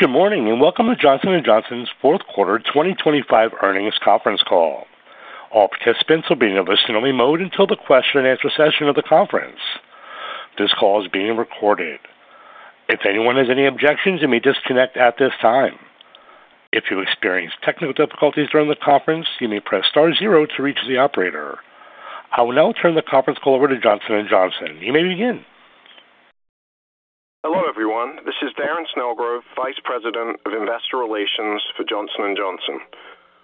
Good morning and welcome to Johnson & Johnson's fourth quarter 2025 earnings conference call. All participants will be in a listen-only mode until the question-and-answer session of the conference. This call is being recorded. If anyone has any objections, you may disconnect at this time. If you experience technical difficulties during the conference, you may press star zero to reach the operator. I will now turn the conference call over to Johnson & Johnson. You may begin. Hello everyone. This is Darren Snellgrove, Vice President of Investor Relations for Johnson & Johnson.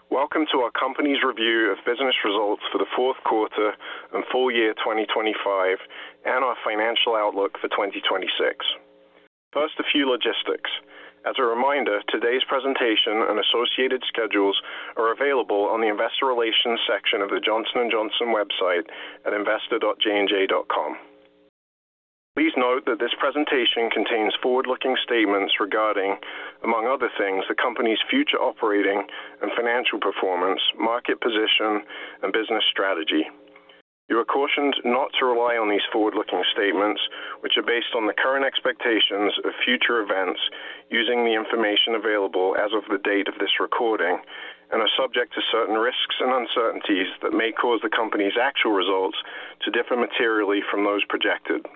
Welcome to our company's review of business results for the fourth quarter and full year 2025, and our financial outlook for 2026. First, a few logistics. As a reminder, today's presentation and associated schedules are available on the Investor Relations section of the Johnson & Johnson website at investor.jnj.com. Please note that this presentation contains forward-looking statements regarding, among other things, the company's future operating and financial performance, market position, and business strategy. You are cautioned not to rely on these forward-looking statements, which are based on the current expectations of future events using the information available as of the date of this recording, and are subject to certain risks and uncertainties that may cause the company's actual results to differ materially from those projected.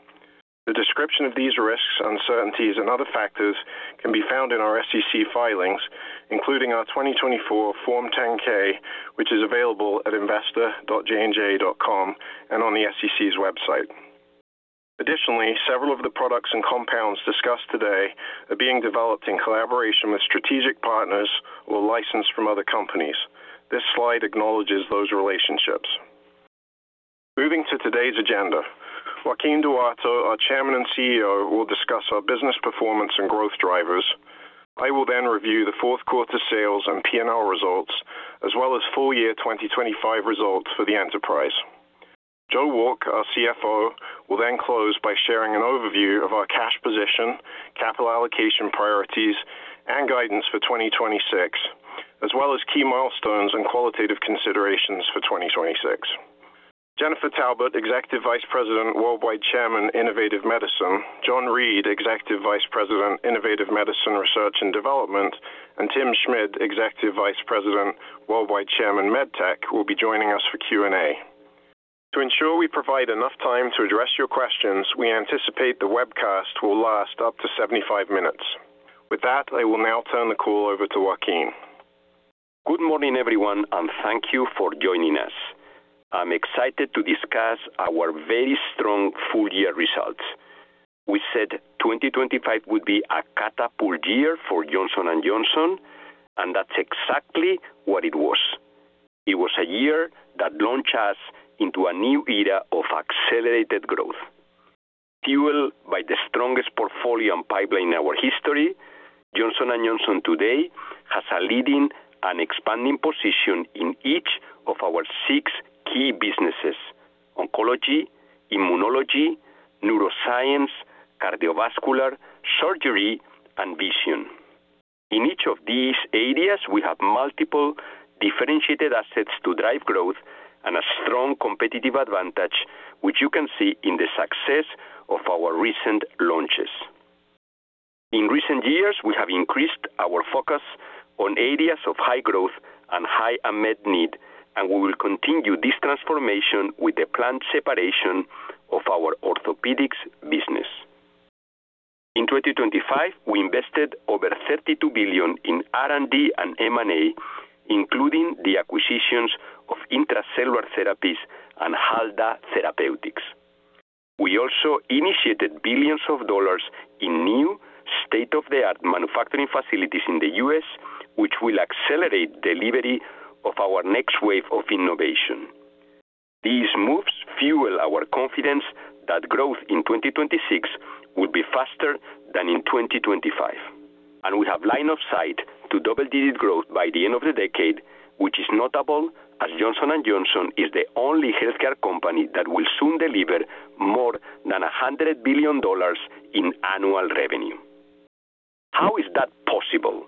The description of these risks, uncertainties, and other factors can be found in our SEC filings, including our 2024 Form 10-K, which is available at investor.jnj.com and on the SEC's website. Additionally, several of the products and compounds discussed today are being developed in collaboration with strategic partners or licensed from other companies. This slide acknowledges those relationships. Moving to today's agenda, Joaquin Duato, our Chairman and CEO, will discuss our business performance and growth drivers. I will then review the fourth quarter sales and P&L results, as well as full year 2025 results for the enterprise. Joe Wolk, our CFO, will then close by sharing an overview of our cash position, capital allocation priorities, and guidance for 2026, as well as key milestones and qualitative considerations for 2026. Jennifer Taubert, Executive Vice President, Worldwide Chairman, Innovative Medicine, John Reed, Executive Vice President, Innovative Medicine Research and Development, and Tim Schmid, Executive Vice President, Worldwide Chairman, MedTech, will be joining us for Q&A. To ensure we provide enough time to address your questions, we anticipate the webcast will last up to 75 minutes. With that, I will now turn the call over to Joaquin. Good morning everyone, and thank you for joining us. I'm excited to discuss our very strong full year results. We said 2025 would be a catapult year for Johnson & Johnson, and that's exactly what it was. It was a year that launched us into a new era of accelerated growth. Fueled by the strongest portfolio and pipeline in our history, Johnson & Johnson today has a leading and expanding position in each of our six key businesses: oncology, immunology, neuroscience, cardiovascular, surgery, and vision. In each of these areas, we have multiple differentiated assets to drive growth and a strong competitive advantage, which you can see in the success of our recent launches. In recent years, we have increased our focus on areas of high growth and high unmet need, and we will continue this transformation with the planned separation of our Orthopaedics business. In 2025, we invested over $32 billion in R&D and M&A, including the acquisitions of Intra-Cellular Therapies and Halda Therapeutics. We also initiated billions of dollars in new state-of-the-art manufacturing facilities in the U.S., which will accelerate the delivery of our next wave of innovation. These moves fuel our confidence that growth in 2026 will be faster than in 2025, and we have a line of sight to double-digit growth by the end of the decade, which is notable as Johnson & Johnson is the only healthcare company that will soon deliver more than $100 billion in annual revenue. How is that possible?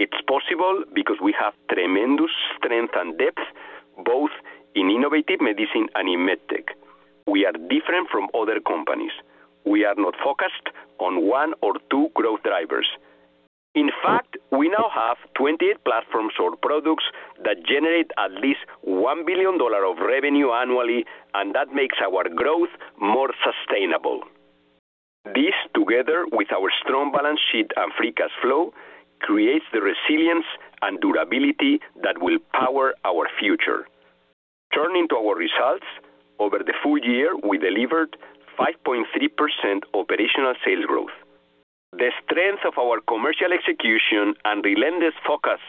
It's possible because we have tremendous strength and depth, both in Innovative Medicine and in MedTech. We are different from other companies. We are not focused on one or two growth drivers. In fact, we now have 28 platforms or products that generate at least $1 billion of revenue annually, and that makes our growth more sustainable. This, together with our strong balance sheet and free cash flow, creates the resilience and durability that will power our future. Turning to our results, over the full year, we delivered 5.3% operational sales growth. The strength of our commercial execution and relentless focus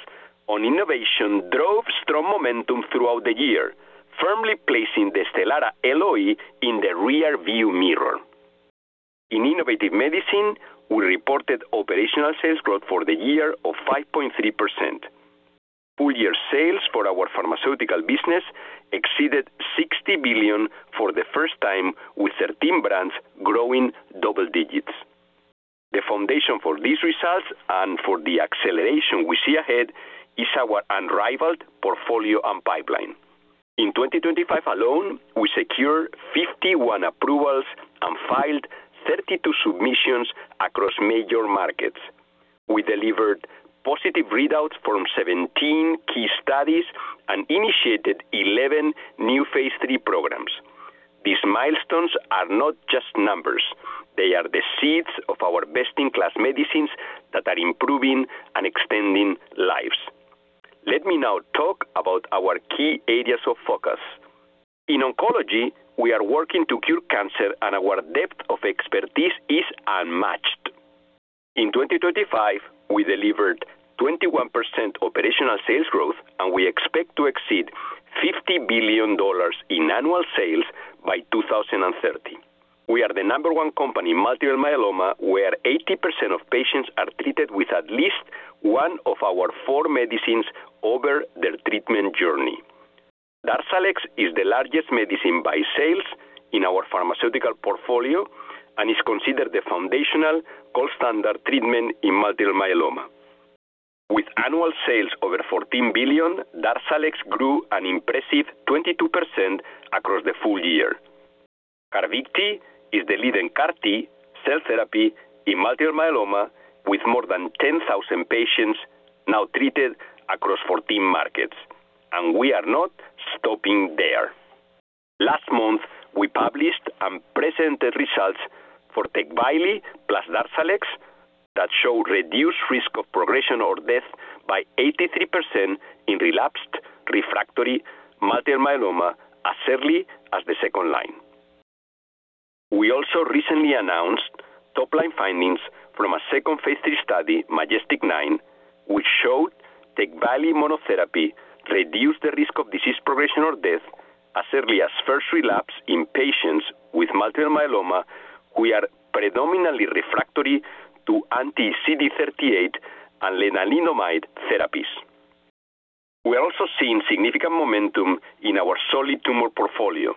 on innovation drove strong momentum throughout the year, firmly placing the Stelara LOE in the rearview mirror. In Innovative Medicine, we reported operational sales growth for the year of 5.3%. Full year sales for our pharmaceutical business exceeded $60 billion for the first time, with 13 brands growing double digits. The foundation for these results and for the acceleration we see ahead is our unrivaled portfolio and pipeline. In 2025 alone, we secured 51 approvals and filed 32 submissions across major markets. We delivered positive readouts from 17 key studies and initiated 11 new phase III programs. These milestones are not just numbers. They are the seeds of our best-in-class medicines that are improving and extending lives. Let me now talk about our key areas of focus. In oncology, we are working to cure cancer, and our depth of expertise is unmatched. In 2025, we delivered 21% operational sales growth, and we expect to exceed $50 billion in annual sales by 2030. We are the number one company in multiple myeloma, where 80% of patients are treated with at least one of our four medicines over their treatment journey. Darzalex is the largest medicine by sales in our pharmaceutical portfolio and is considered the foundational gold standard treatment in multiple myeloma. With annual sales over $14 billion, Darzalex grew an impressive 22% across the full year. Carvykti is the leading CAR-T cell therapy in multiple myeloma, with more than 10,000 patients now treated across 14 markets, and we are not stopping there. Last month, we published and presented results for Tecvayli plus Darzalex that showed reduced risk of progression or death by 83% in relapsed refractory multiple myeloma, as early as the second line. We also recently announced top-line findings from a second phase III study, MajesTEC-9, which showed Tecvayli monotherapy reduced the risk of disease progression or death as early as first relapse in patients with multiple myeloma who are predominantly refractory to anti-CD38 and lenalidomide therapies. We are also seeing significant momentum in our solid tumor portfolio.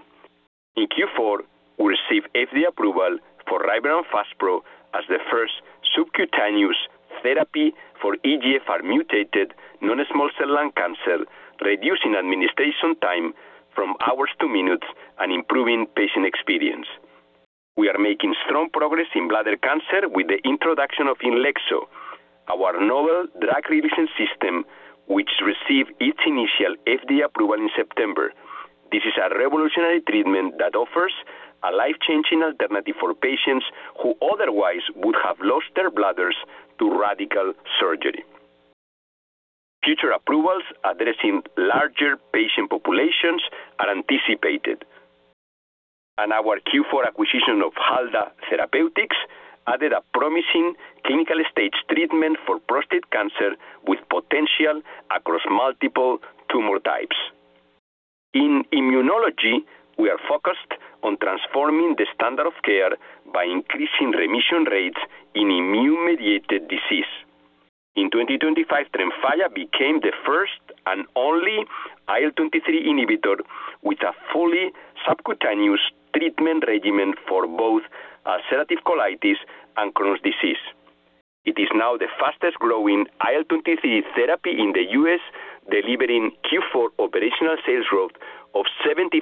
In Q4, we received FDA approval for Rybrevant plus Lazcluze as the first subcutaneous therapy for EGFR-mutated non-small cell lung cancer, reducing administration time from hours to minutes and improving patient experience. We are making strong progress in bladder cancer with the introduction of Inlexo, our novel drug release system, which received its initial FDA approval in September. This is a revolutionary treatment that offers a life-changing alternative for patients who otherwise would have lost their bladders to radical surgery. Future approvals addressing larger patient populations are anticipated, and our Q4 acquisition of Halda Therapeutics added a promising clinical stage treatment for prostate cancer with potential across multiple tumor types. In immunology, we are focused on transforming the standard of care by increasing remission rates in immune-mediated disease. In 2025, Tremfya became the first and only IL-23 inhibitor with a fully subcutaneous treatment regimen for both ulcerative colitis and Crohn's disease. It is now the fastest-growing IL-23 therapy in the U.S., delivering Q4 operational sales growth of 75%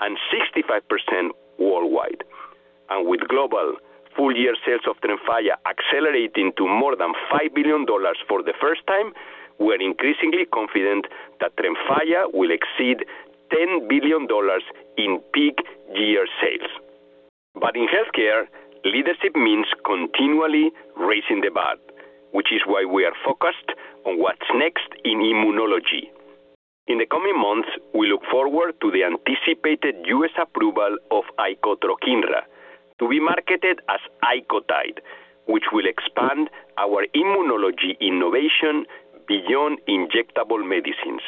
and 65% worldwide. And with global full year sales of Tremfya accelerating to more than $5 billion for the first time, we are increasingly confident that Tremfya will exceed $10 billion in peak year sales. But in healthcare, leadership means continually raising the bar, which is why we are focused on what's next in immunology. In the coming months, we look forward to the anticipated U.S. approval of icotrokinra to be marketed as Icotide, which will expand our immunology innovation beyond injectable medicines.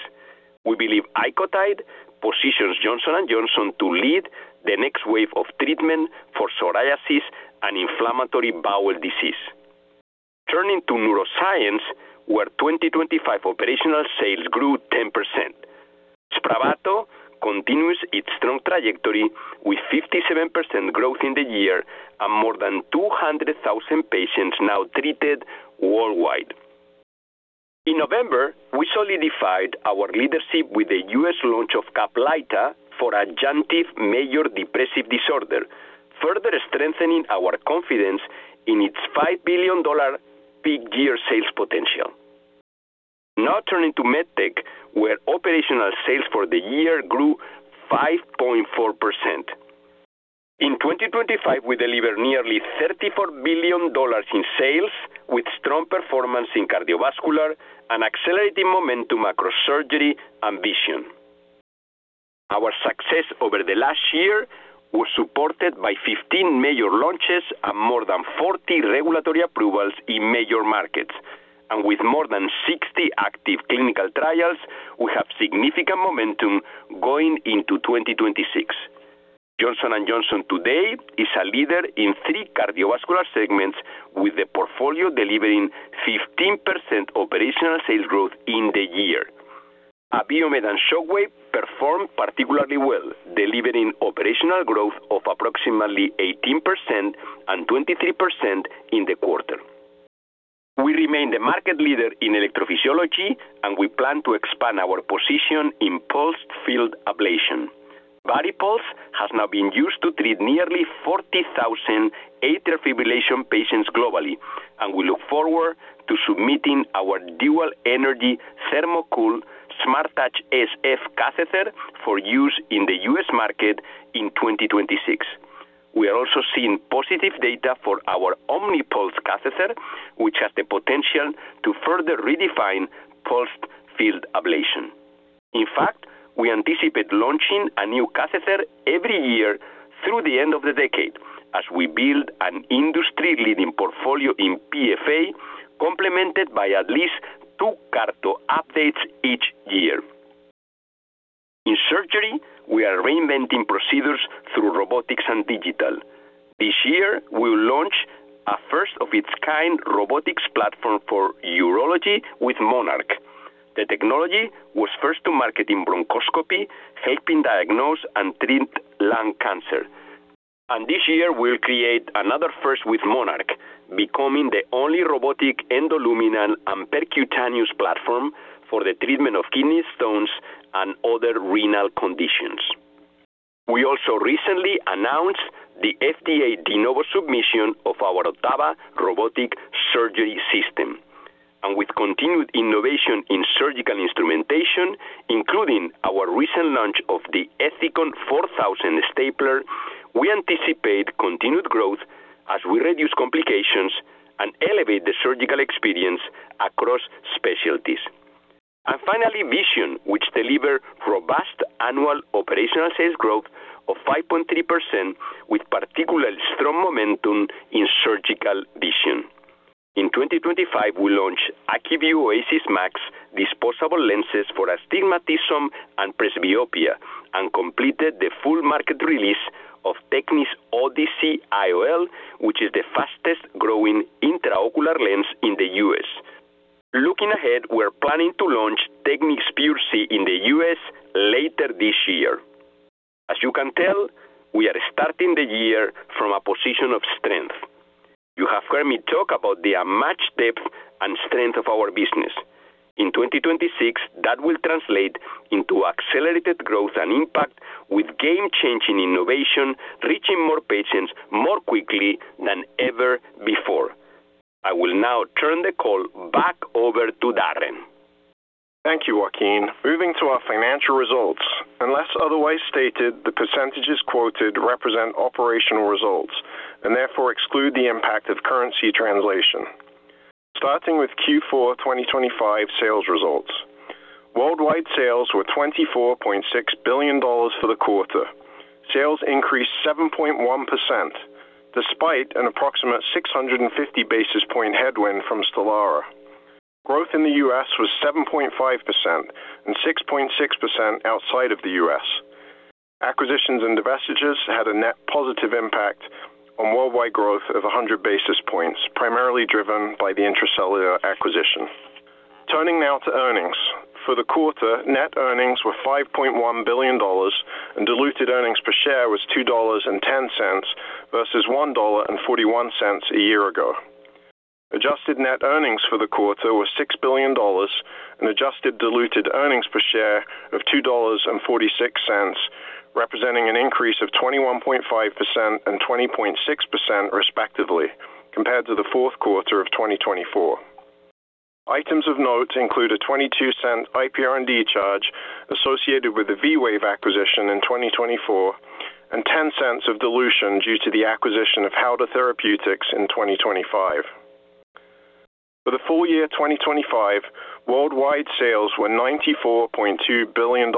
We believe Icotide positions Johnson & Johnson to lead the next wave of treatment for psoriasis and inflammatory bowel disease. Turning to neuroscience, where 2025 operational sales grew 10%, Spravato continues its strong trajectory with 57% growth in the year and more than 200,000 patients now treated worldwide. In November, we solidified our leadership with the U.S. launch of Caplyta for adjunctive major depressive disorder, further strengthening our confidence in its $5 billion peak year sales potential. Now turning to MedTech, where operational sales for the year grew 5.4%. In 2025, we delivered nearly $34 billion in sales, with strong performance in cardiovascular and accelerating momentum across surgery and vision. Our success over the last year was supported by 15 major launches and more than 40 regulatory approvals in major markets, and with more than 60 active clinical trials, we have significant momentum going into 2026. Johnson & Johnson today is a leader in three cardiovascular segments, with the portfolio delivering 15% operational sales growth in the year. Abiomed and Shockwave performed particularly well, delivering operational growth of approximately 18% and 23% in the quarter. We remain the market leader in electrophysiology, and we plan to expand our position in pulsed field ablation. VARIPULSE has now been used to treat nearly 40,000 atrial fibrillation patients globally, and we look forward to submitting our dual-energy ThermoCool SmartTouch SF catheter for use in the U.S. market in 2026. We are also seeing positive data for our OMNIPULSE catheter, which has the potential to further redefine pulsed field ablation. In fact, we anticipate launching a new catheter every year through the end of the decade, as we build an industry-leading portfolio in PFA, complemented by at least two CARTO updates each year. In surgery, we are reinventing procedures through robotics and digital. This year, we will launch a first-of-its-kind robotics platform for urology with Monarch. The technology was first to market in bronchoscopy, helping diagnose and treat lung cancer. This year, we'll create another first with Monarch, becoming the only robotic endoluminal and percutaneous platform for the treatment of kidney stones and other renal conditions. We also recently announced the FDA De Novo submission of our Ottava robotic surgery system. With continued innovation in surgical instrumentation, including our recent launch of the ECHELON 4000 stapler, we anticipate continued growth as we reduce complications and elevate the surgical experience across specialties. Finally, vision, which delivers robust annual operational sales growth of 5.3%, with particularly strong momentum in Surgical Vision. In 2025, we launched Acuvue Oasys MAX disposable lenses for astigmatism and presbyopia and completed the full market release of Tecnis Odyssey IOL, which is the fastest-growing intraocular lens in the U.S. Looking ahead, we're planning to launch Tecnis PureSee in the U.S. later this year. As you can tell, we are starting the year from a position of strength. You have heard me talk about the unmatched depth and strength of our business. In 2026, that will translate into accelerated growth and impact with game-changing innovation, reaching more patients more quickly than ever before. I will now turn the call back over to Darren. Thank you, Joaquin. Moving to our financial results. Unless otherwise stated, the percentages quoted represent operational results and therefore exclude the impact of currency translation. Starting with Q4 2025 sales results. Worldwide sales were $24.6 billion for the quarter. Sales increased 7.1% despite an approximate 650 basis point headwind from Stelara. Growth in the U.S. was 7.5% and 6.6% outside of the U.S. Acquisitions and divestitures had a net positive impact on worldwide growth of 100 basis points, primarily driven by the Intra-Cellular acquisition. Turning now to earnings. For the quarter, net earnings were $5.1 billion, and diluted earnings per share was $2.10 versus $1.41 a year ago. Adjusted net earnings for the quarter were $6 billion, and adjusted diluted earnings per share of $2.46, representing an increase of 21.5% and 20.6% respectively, compared to the fourth quarter of 2024. Items of note include a $0.22 IPR&D charge associated with the V-Wave acquisition in 2024 and $0.10 of dilution due to the acquisition of Halda Therapeutics in 2025. For the full year 2025, worldwide sales were $94.2 billion.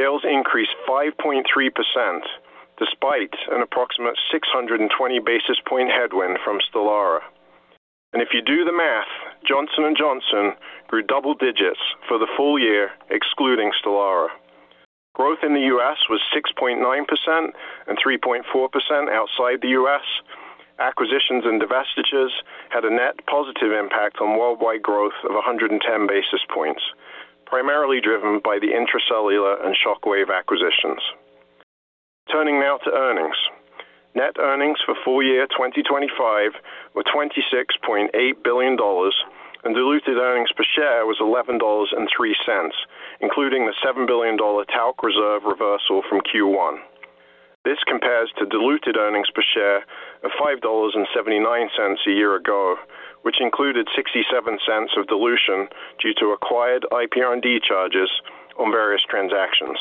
Sales increased 5.3% despite an approximate 620 basis point headwind from Stelara, and if you do the math, Johnson & Johnson grew double digits for the full year excluding Stelara. Growth in the U.S. was 6.9% and 3.4% outside the U.S. Acquisitions and divestitures had a net positive impact on worldwide growth of 110 basis points, primarily driven by the Intra-Cellular and Shockwave acquisitions. Turning now to earnings. Net earnings for full year 2025 were $26.8 billion, and Diluted Earnings Per Share was $11.03, including the $7 billion talc reserve reversal from Q1. This compares to Diluted Earnings Per Share of $5.79 a year ago, which included $0.67 of dilution due to acquired IPR&D charges on various transactions.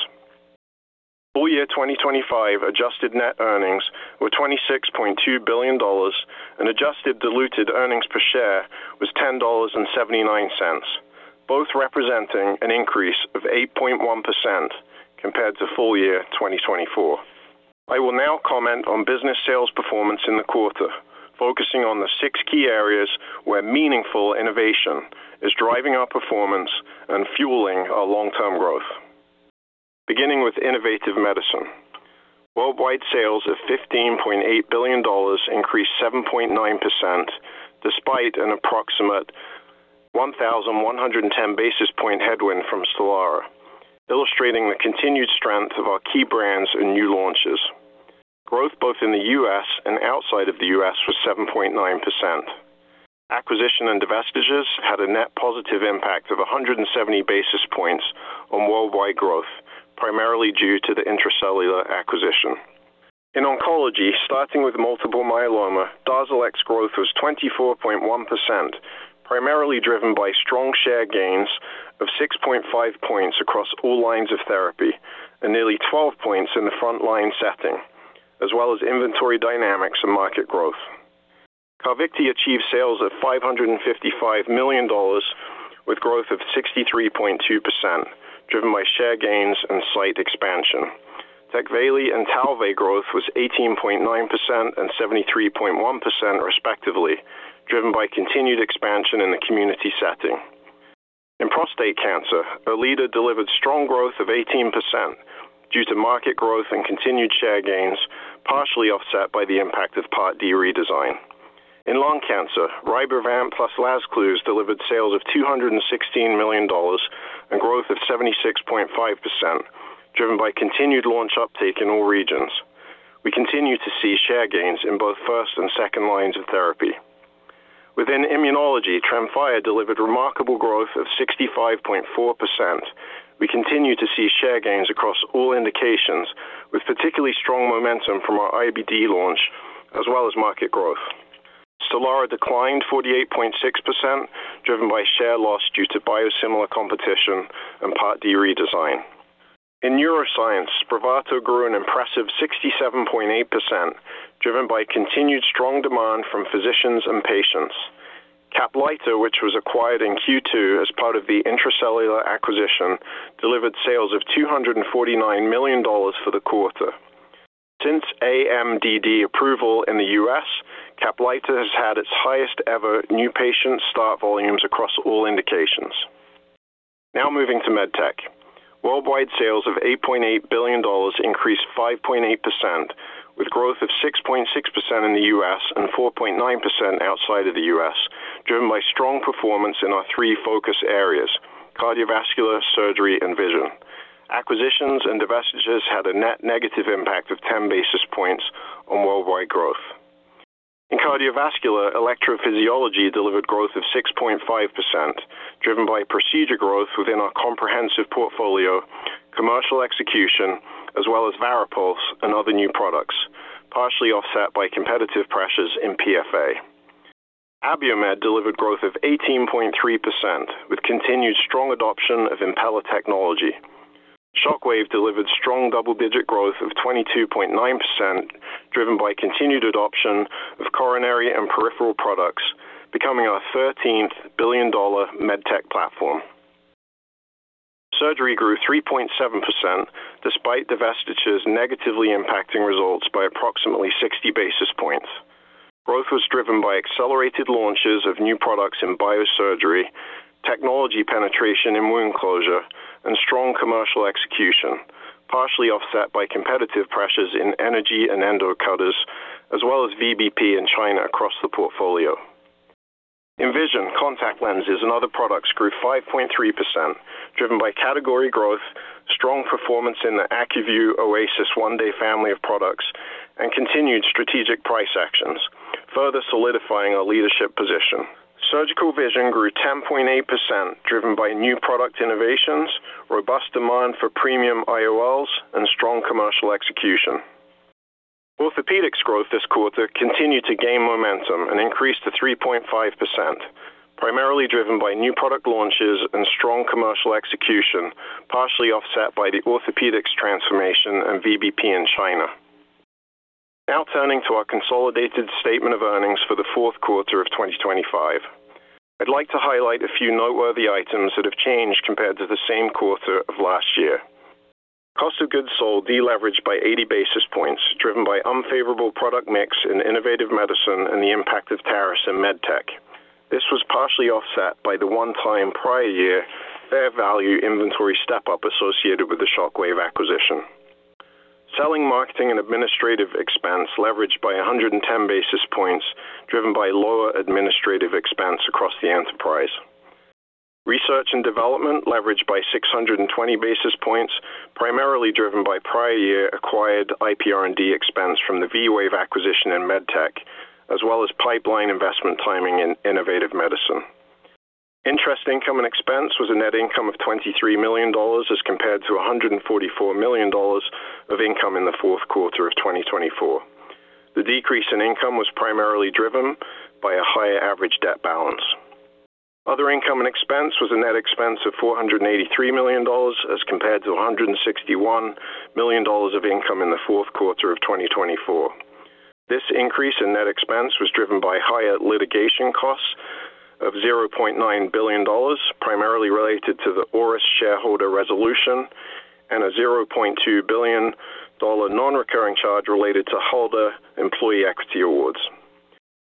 Full year 2025 adjusted net earnings were $26.2 billion, and adjusted Diluted Earnings Per Share was $10.79, both representing an increase of 8.1% compared to full year 2024. I will now comment on business sales performance in the quarter, focusing on the six key areas where meaningful innovation is driving our performance and fueling our long-term growth. Beginning with Innovative Medicine. Worldwide sales of $15.8 billion increased 7.9% despite an approximate 1,110 basis point headwind from Stelara, illustrating the continued strength of our key brands and new launches. Growth both in the U.S. and outside of the U.S. was 7.9%. Acquisition and divestitures had a net positive impact of 170 basis points on worldwide growth, primarily due to the Intra-Cellular acquisition. In oncology, starting with multiple myeloma, Darzalex growth was 24.1%, primarily driven by strong share gains of 6.5 points across all lines of therapy and nearly 12 points in the front-line setting, as well as inventory dynamics and market growth. Carvykti achieved sales of $555 million with growth of 63.2%, driven by share gains and site expansion. Tecvayli and Talvey growth was 18.9% and 73.1% respectively, driven by continued expansion in the community setting. In prostate cancer, ERLEADA delivered strong growth of 18% due to market growth and continued share gains, partially offset by the impact of Part D redesign. In lung cancer, Rybrevant plus Lazcluze delivered sales of $216 million and growth of 76.5%, driven by continued launch uptake in all regions. We continue to see share gains in both first and second lines of therapy. Within immunology, Tremfya delivered remarkable growth of 65.4%. We continue to see share gains across all indications, with particularly strong momentum from our IBD launch as well as market growth. Stelara declined 48.6%, driven by share loss due to biosimilar competition and Part D redesign. In neuroscience, Spravato grew an impressive 67.8%, driven by continued strong demand from physicians and patients. Caplyta, which was acquired in Q2 as part of the Intra-Cellular acquisition, delivered sales of $249 million for the quarter. Since MDD approval in the U.S., Caplyta has had its highest-ever new patient start volumes across all indications. Now moving to MedTech. Worldwide sales of $8.8 billion increased 5.8%, with growth of 6.6% in the U.S. and 4.9% outside of the U.S., driven by strong performance in our three focus areas: cardiovascular, surgery, and vision. Acquisitions and divestitures had a net negative impact of 10 basis points on worldwide growth. In cardiovascular, electrophysiology delivered growth of 6.5%, driven by procedure growth within our comprehensive portfolio, commercial execution, as well as VARIPULSE and other new products, partially offset by competitive pressures in PFA. Abiomed delivered growth of 18.3%, with continued strong adoption of Impella technology. Shockwave delivered strong double-digit growth of 22.9%, driven by continued adoption of coronary and peripheral products, becoming our 13th billion dollar MedTech platform. Surgery grew 3.7% despite divestitures negatively impacting results by approximately 60 basis points. Growth was driven by accelerated launches of new products in Biosurgery, technology penetration in wound closure, and strong commercial execution, partially offset by competitive pressures in energy and Endocutters, as well as VBP in China across the portfolio. Vision Contact Lenses and other products grew 5.3%, driven by category growth, strong performance in the Acuvue Oasys 1-Day family of products, and continued strategic price actions, further solidifying our leadership position. Surgical Vision grew 10.8%, driven by new product innovations, robust demand for premium IOLs, and strong commercial execution. Orthopaedics growth this quarter continued to gain momentum and increased to 3.5%, primarily driven by new product launches and strong commercial execution, partially offset by the Orthopaedics transformation and VBP in China. Now turning to our consolidated statement of earnings for the fourth quarter of 2025, I'd like to highlight a few noteworthy items that have changed compared to the same quarter of last year. Cost of goods sold deleveraged by 80 basis points, driven by unfavorable product mix in Innovative Medicine and the impact of tariffs in MedTech. This was partially offset by the one-time prior year fair value inventory step-up associated with the Shockwave acquisition. Selling, marketing, and administrative expense leveraged by 110 basis points, driven by lower administrative expense across the enterprise. Research and development leveraged by 620 basis points, primarily driven by prior year acquired IPR&D expense from the V-Wave acquisition in MedTech, as well as pipeline investment timing in Innovative Medicine. Interest income and expense was a net income of $23 million as compared to $144 million of income in the fourth quarter of 2024. The decrease in income was primarily driven by a higher average debt balance. Other income and expense was a net expense of $483 million as compared to $161 million of income in the fourth quarter of 2024. This increase in net expense was driven by higher litigation costs of $0.9 billion, primarily related to the Auris shareholder resolution, and a $0.2 billion non-recurring charge related to HALDA employee equity awards.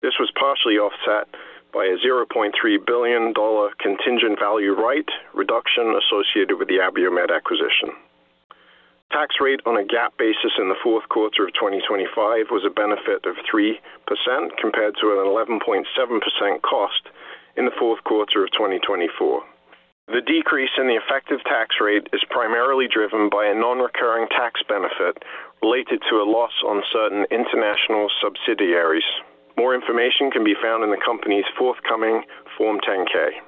This was partially offset by a $0.3 billion contingent value right reduction associated with the Abiomed acquisition. Tax rate on a GAAP basis in the fourth quarter of 2025 was a benefit of 3% compared to an 11.7% cost in the fourth quarter of 2024. The decrease in the effective tax rate is primarily driven by a non-recurring tax benefit related to a loss on certain international subsidiaries. More information can be found in the company's forthcoming Form 10-K.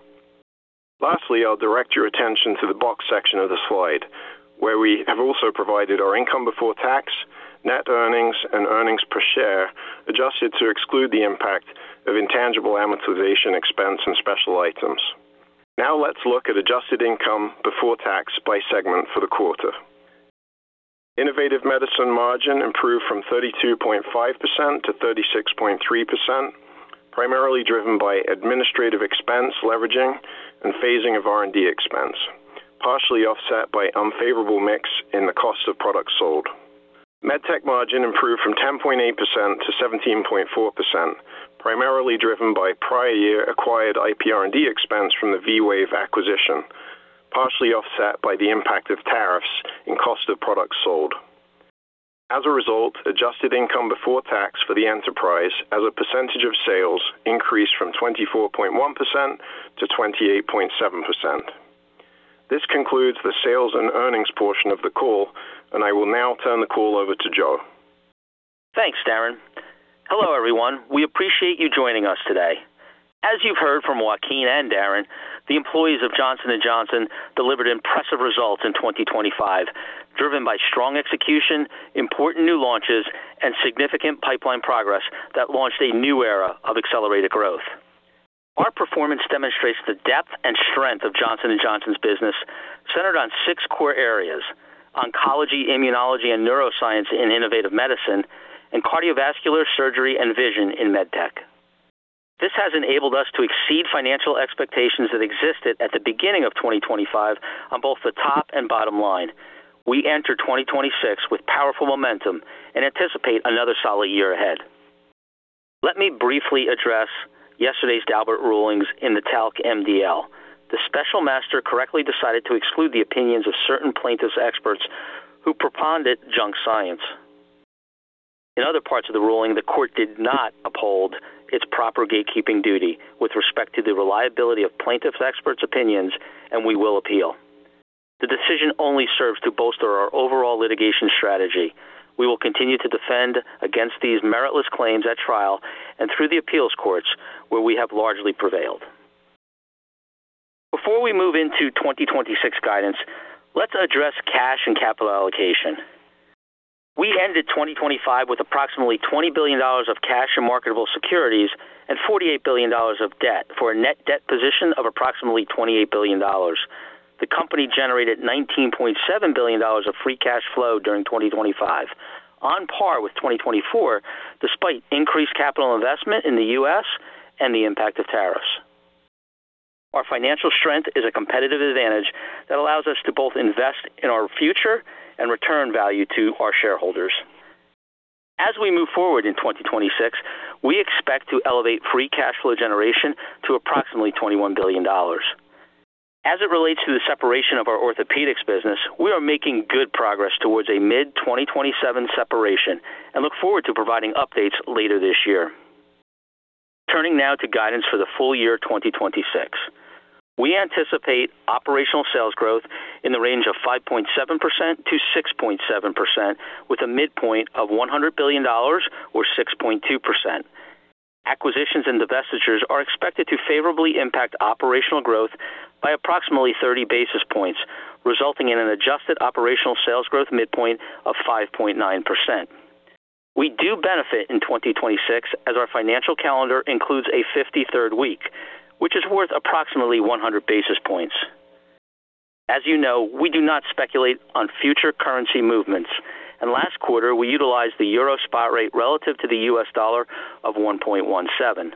Lastly, I'll direct your attention to the box section of the slide, where we have also provided our income before tax, net earnings, and earnings per share adjusted to exclude the impact of intangible amortization expense and special items. Now let's look at adjusted income before tax by segment for the quarter. Innovative Medicine margin improved from 32.5% to 36.3%, primarily driven by administrative expense leveraging and phasing of R&D expense, partially offset by unfavorable mix in the cost of product sold. MedTech margin improved from 10.8% to 17.4%, primarily driven by prior year acquired IPR&D expense from the V-Wave acquisition, partially offset by the impact of tariffs and cost of product sold. As a result, adjusted income before tax for the enterprise as a percentage of sales increased from 24.1% to 28.7%. This concludes the sales and earnings portion of the call, and I will now turn the call over to Joe. Thanks, Darren. Hello everyone. We appreciate you joining us today. As you've heard from Joaquin and Darren, the employees of Johnson & Johnson delivered impressive results in 2025, driven by strong execution, important new launches, and significant pipeline progress that launched a new era of accelerated growth. Our performance demonstrates the depth and strength of Johnson & Johnson's business centered on six core areas: oncology, immunology, and neuroscience in Innovative Medicine, and cardiovascular, surgery, and vision in MedTech. This has enabled us to exceed financial expectations that existed at the beginning of 2025 on both the top and bottom line. We enter 2026 with powerful momentum and anticipate another solid year ahead. Let me briefly address yesterday's Daubert rulings in the Talc MDL. The special master correctly decided to exclude the opinions of certain plaintiff's experts who preponderate junk science. In other parts of the ruling, the court did not uphold its proper gatekeeping duty with respect to the reliability of plaintiff's expert's opinions, and we will appeal. The decision only serves to bolster our overall litigation strategy. We will continue to defend against these meritless claims at trial and through the appeals courts, where we have largely prevailed. Before we move into 2026 guidance, let's address cash and capital allocation. We ended 2025 with approximately $20 billion of cash and marketable securities and $48 billion of debt for a net debt position of approximately $28 billion. The company generated $19.7 billion of free cash flow during 2025, on par with 2024, despite increased capital investment in the U.S. and the impact of tariffs. Our financial strength is a competitive advantage that allows us to both invest in our future and return value to our shareholders. As we move forward in 2026, we expect to elevate free cash flow generation to approximately $21 billion. As it relates to the separation of our Orthopaedics business, we are making good progress towards a mid-2027 separation and look forward to providing updates later this year. Turning now to guidance for the full year 2026, we anticipate operational sales growth in the range of 5.7%-6.7%, with a midpoint of $100 billion or 6.2%. Acquisitions and divestitures are expected to favorably impact operational growth by approximately 30 basis points, resulting in an adjusted operational sales growth midpoint of 5.9%. We do benefit in 2026 as our financial calendar includes a 53rd week, which is worth approximately 100 basis points. As you know, we do not speculate on future currency movements, and last quarter we utilized the euro spot rate relative to the U.S. dollar of 1.17.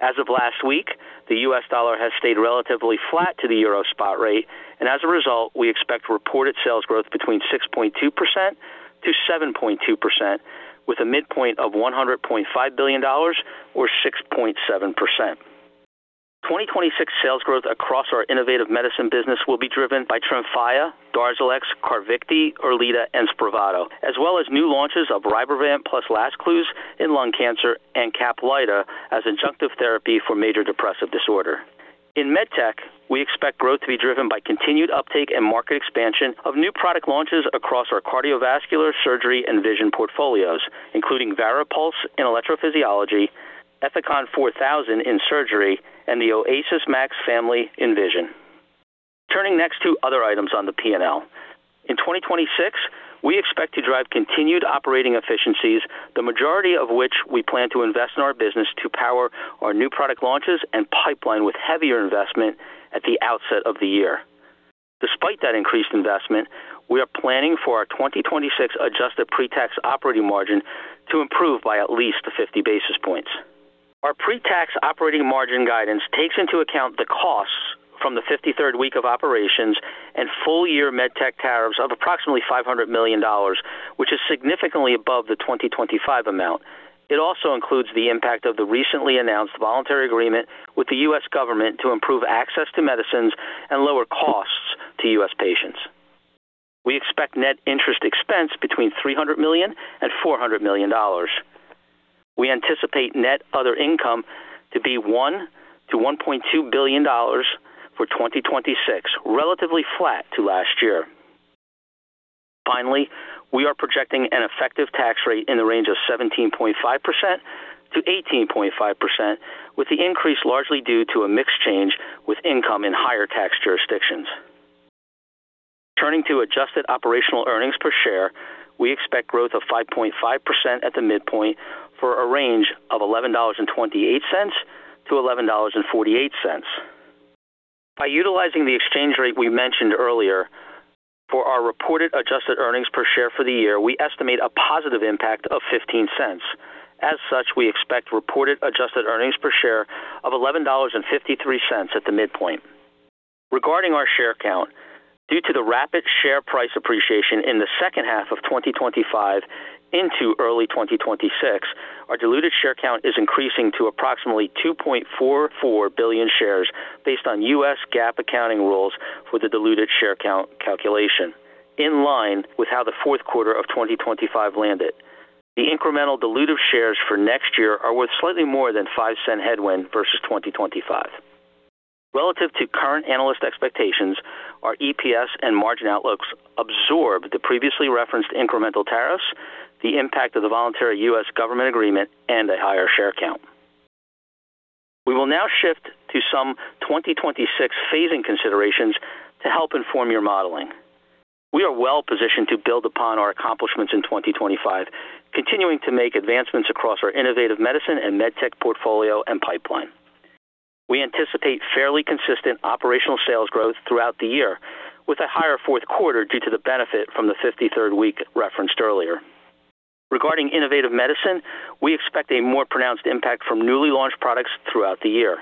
As of last week, the U.S. dollar has stayed relatively flat to the euro spot rate, and as a result, we expect reported sales growth between 6.2%-7.2%, with a midpoint of $100.5 billion or 6.7%. 2026 sales growth across our Innovative Medicine business will be driven by Tremfya, Darzalex, Carvykti, ERLEADA, and Spravato, as well as new launches of Rybrevant plus Lazcluze in lung cancer and Caplyta as adjunctive therapy for major depressive disorder. In MedTech, we expect growth to be driven by continued uptake and market expansion of new product launches across our cardiovascular, surgery, and vision portfolios, including VARIPULSE in electrophysiology, ECHELON 4000 in surgery, and the Acuvue Oasys MAX family in vision. Turning next to other items on the P&L. In 2026, we expect to drive continued operating efficiencies, the majority of which we plan to invest in our business to power our new product launches and pipeline with heavier investment at the outset of the year. Despite that increased investment, we are planning for our 2026 adjusted pre-tax operating margin to improve by at least 50 basis points. Our pre-tax operating margin guidance takes into account the costs from the 53rd week of operations and full year MedTech tariffs of approximately $500 million, which is significantly above the 2025 amount. It also includes the impact of the recently announced voluntary agreement with the U.S. government to improve access to medicines and lower costs to U.S. patients. We expect net interest expense between $300 million and $400 million. We anticipate net other income to be $1 billion-$1.2 billion for 2026, relatively flat to last year. Finally, we are projecting an effective tax rate in the range of 17.5%-18.5%, with the increase largely due to a mixed change with income in higher tax jurisdictions. Turning to adjusted operational earnings per share, we expect growth of 5.5% at the midpoint for a range of $11.28-$11.48. By utilizing the exchange rate we mentioned earlier for our reported adjusted earnings per share for the year, we estimate a positive impact of $0.15. As such, we expect reported adjusted earnings per share of $11.53 at the midpoint. Regarding our share count, due to the rapid share price appreciation in the second half of 2025 into early 2026, our diluted share count is increasing to approximately 2.44 billion shares based on U.S. GAAP accounting rules for the diluted share count calculation, in line with how the fourth quarter of 2025 landed. The incremental diluted shares for next year are worth slightly more than $0.05 headwind versus 2025. Relative to current analyst expectations, our EPS and margin outlooks absorb the previously referenced incremental tariffs, the impact of the voluntary U.S. government agreement, and a higher share count. We will now shift to some 2026 phasing considerations to help inform your modeling. We are well positioned to build upon our accomplishments in 2025, continuing to make advancements across our Innovative Medicine and MedTech portfolio and pipeline. We anticipate fairly consistent operational sales growth throughout the year, with a higher fourth quarter due to the benefit from the 53rd week referenced earlier. Regarding Innovative Medicine, we expect a more pronounced impact from newly launched products throughout the year.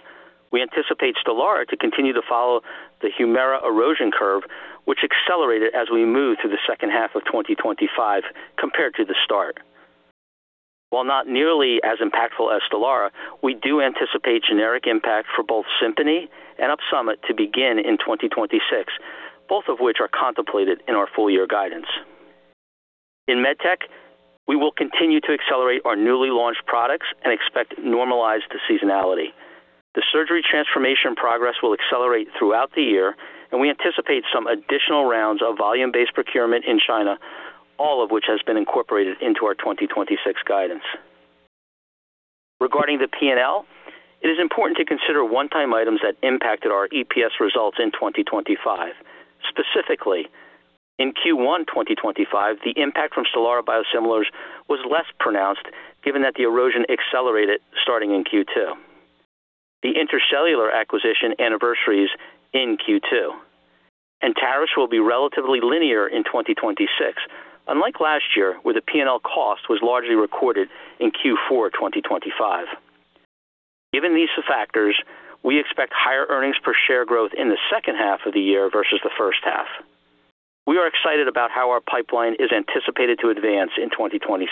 We anticipate Stelara to continue to follow the Humira erosion curve, which accelerated as we move through the second half of 2025 compared to the start. While not nearly as impactful as Stelara, we do anticipate generic impact for both Simponi and Opsumit to begin in 2026, both of which are contemplated in our full-year guidance. In MedTech, we will continue to accelerate our newly launched products and expect normalized seasonality. The surgery transformation progress will accelerate throughout the year, and we anticipate some additional rounds of volume-based procurement in China, all of which has been incorporated into our 2026 guidance. Regarding the P&L, it is important to consider one-time items that impacted our EPS results in 2025. Specifically, in Q1 2025, the impact from Stelara biosimilars was less pronounced, given that the erosion accelerated starting in Q2. The Intra-Cellular acquisition anniversaries in Q2 and tariffs will be relatively linear in 2026, unlike last year, where the P&L cost was largely recorded in Q4 2025. Given these factors, we expect higher earnings per share growth in the second half of the year versus the first half. We are excited about how our pipeline is anticipated to advance in 2026.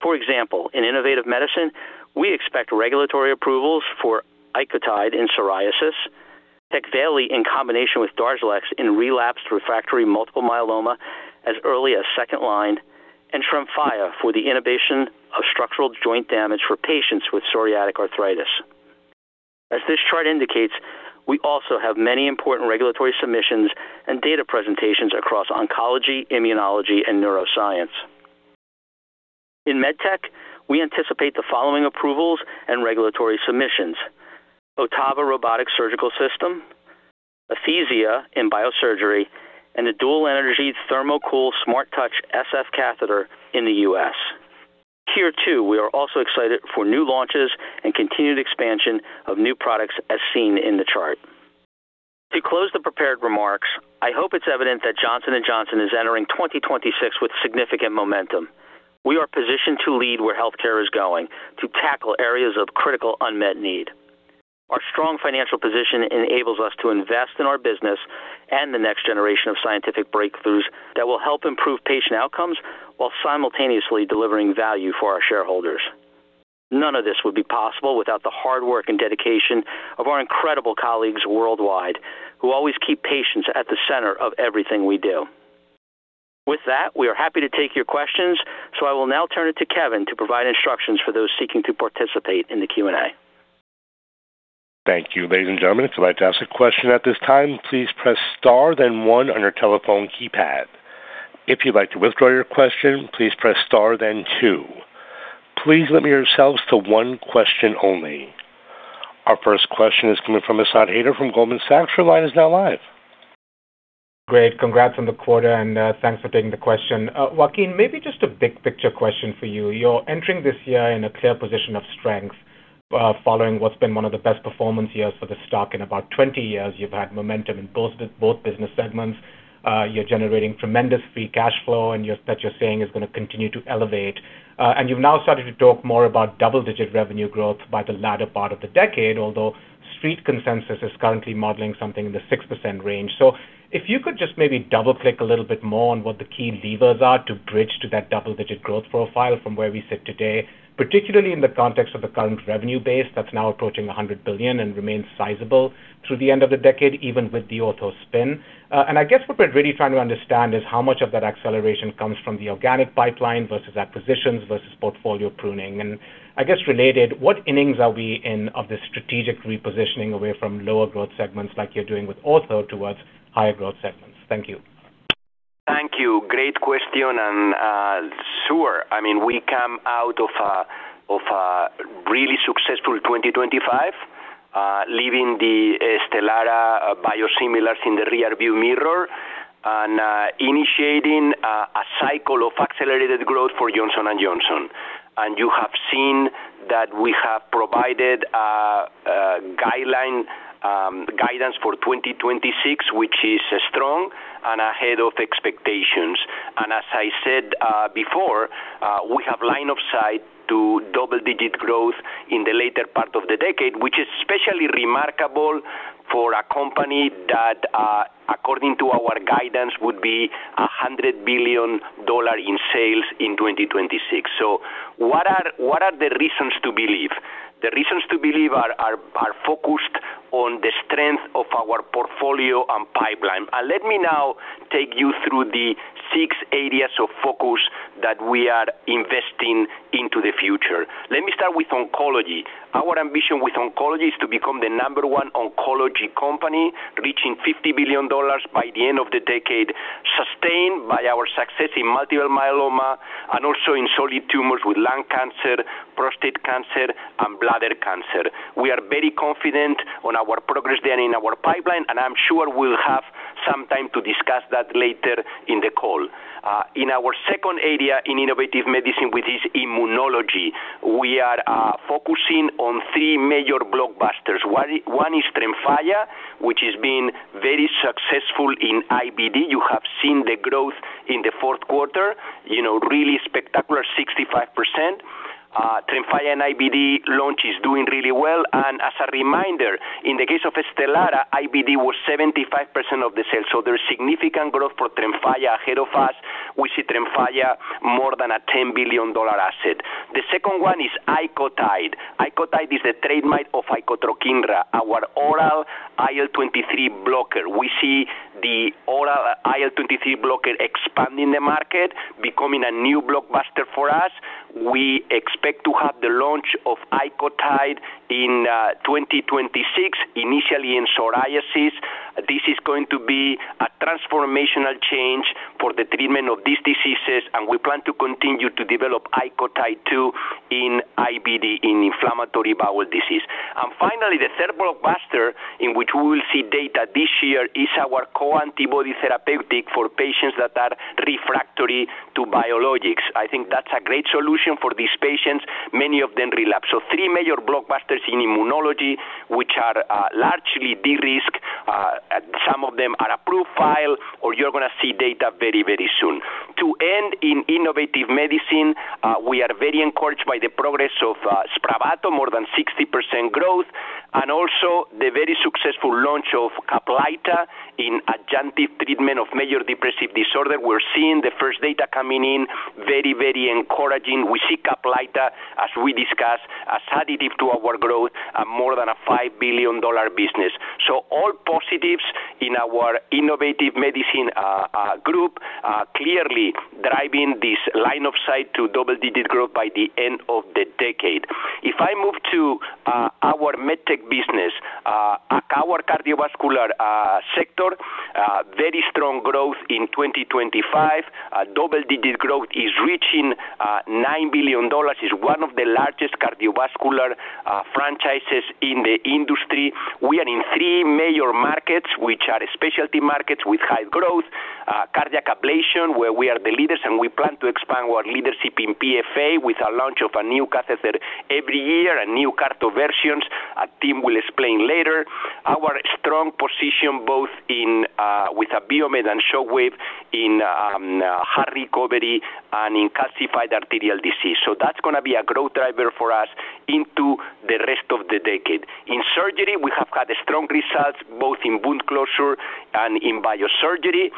For example, in Innovative Medicine, we expect regulatory approvals for Icotide in psoriasis, Tecvayli in combination with Darzalex in relapsed refractory multiple myeloma as early as second line, and Tremfya for the inhibition of structural joint damage for patients with psoriatic arthritis. As this chart indicates, we also have many important regulatory submissions and data presentations across oncology, immunology, and neuroscience. In MedTech, we anticipate the following approvals and regulatory submissions: Ottava Robotic Surgical System, ETHIZIA in Biosurgery, and the dual-energy ThermoCool SmartTouch SF catheter in the U.S. Here too, we are also excited for new launches and continued expansion of new products as seen in the chart. To close the prepared remarks, I hope it's evident that Johnson & Johnson is entering 2026 with significant momentum. We are positioned to lead where healthcare is going, to tackle areas of critical unmet need. Our strong financial position enables us to invest in our business and the next generation of scientific breakthroughs that will help improve patient outcomes while simultaneously delivering value for our shareholders. None of this would be possible without the hard work and dedication of our incredible colleagues worldwide, who always keep patients at the center of everything we do. With that, we are happy to take your questions, so I will now turn it to Kevin to provide instructions for those seeking to participate in the Q&A. Thank you, ladies and gentlemen. If you'd like to ask a question at this time, please press Star, then One on your telephone keypad. If you'd like to withdraw your question, please press Star, then Two. Please limit yourselves to one question only. Our first question is coming from Asad Haider from Goldman Sachs. Your line is now live. Great. Congrats on the quarter, and thanks for taking the question. Joaquin, maybe just a big picture question for you. You're entering this year in a clear position of strength following what's been one of the best performance years for the stock in about 20 years. You've had momentum in both business segments. You're generating tremendous free cash flow that you're saying is going to continue to elevate. And you've now started to talk more about double-digit revenue growth by the latter part of the decade, although street consensus is currently modeling something in the 6% range. So if you could just maybe double-click a little bit more on what the key levers are to bridge to that double-digit growth profile from where we sit today, particularly in the context of the current revenue base that's now approaching $100 billion and remains sizable through the end of the decade, even with the ortho spin? And I guess what we're really trying to understand is how much of that acceleration comes from the organic pipeline versus acquisitions versus portfolio pruning. And I guess related, what innings are we in of this strategic repositioning away from lower growth segments like you're doing with ortho towards higher growth segments? Thank you. Thank you. Great question and sure. I mean, we come out of a really successful 2025, leaving the Stelara biosimilars in the rearview mirror and initiating a cycle of accelerated growth for Johnson & Johnson. And you have seen that we have provided guidance for 2026, which is strong and ahead of expectations. And as I said before, we have line of sight to double-digit growth in the later part of the decade, which is especially remarkable for a company that, according to our guidance, would be $100 billion in sales in 2026. What are the reasons to believe? The reasons to believe are focused on the strength of our portfolio and pipeline. Let me now take you through the six areas of focus that we are investing into the future. Let me start with oncology. Our ambition with oncology is to become the number one oncology company, reaching $50 billion by the end of the decade, sustained by our success in multiple myeloma and also in solid tumors with lung cancer, prostate cancer, and bladder cancer. We are very confident on our progress there in our pipeline, and I'm sure we'll have some time to discuss that later in the call. In our second area in Innovative Medicine, which is immunology, we are focusing on three major blockbusters. One is Tremfya, which has been very successful in IBD. You have seen the growth in the fourth quarter, really spectacular, 65%. Tremfya and IBD launch is doing really well. And as a reminder, in the case of Stelara, IBD was 75% of the sales. So there's significant growth for Tremfya ahead of us. We see Tremfya more than a $10 billion asset. The second one is Icotide. Icotide is the trademark of Icotrokinra, our oral IL-23 blocker. We see the oral IL-23 blocker expanding the market, becoming a new blockbuster for us. We expect to have the launch of Icotide in 2026, initially in psoriasis. This is going to be a transformational change for the treatment of these diseases, and we plan to continue to develop Icotide too in IBD, in inflammatory bowel disease. And finally, the third blockbuster in which we will see data this year is our co-antibody therapeutic for patients that are refractory to biologics. I think that's a great solution for these patients, many of them relapse. So three major blockbusters in Immunology, which are largely de-risked, some of them are approved, filed, or you're going to see data very, very soon. Turning to Innovative Medicine, we are very encouraged by the progress of Spravato, more than 60% growth, and also the very successful launch of Caplyta in adjunctive treatment of major depressive disorder. We're seeing the first data coming in, very, very encouraging. We see Caplyta, as we discussed, as additive to our growth and more than a $5 billion business. So all positives in our Innovative Medicine group, clearly driving this line of sight to double-digit growth by the end of the decade. If I move to our MedTech business, our cardiovascular sector, very strong growth in 2025. Double-digit growth is reaching $9 billion. It's one of the largest cardiovascular franchises in the industry. We are in three major markets, which are specialty markets with high growth, cardiac ablation, where we are the leaders, and we plan to expand our leadership in PFA with the launch of a new catheter every year, a new CARTO version. A team will explain later. Our strong position both with Abiomed and Shockwave in heart recovery and in calcified arterial disease. So that's going to be a growth driver for us into the rest of the decade. In surgery, we have had strong results both in wound closure and in biosurgery,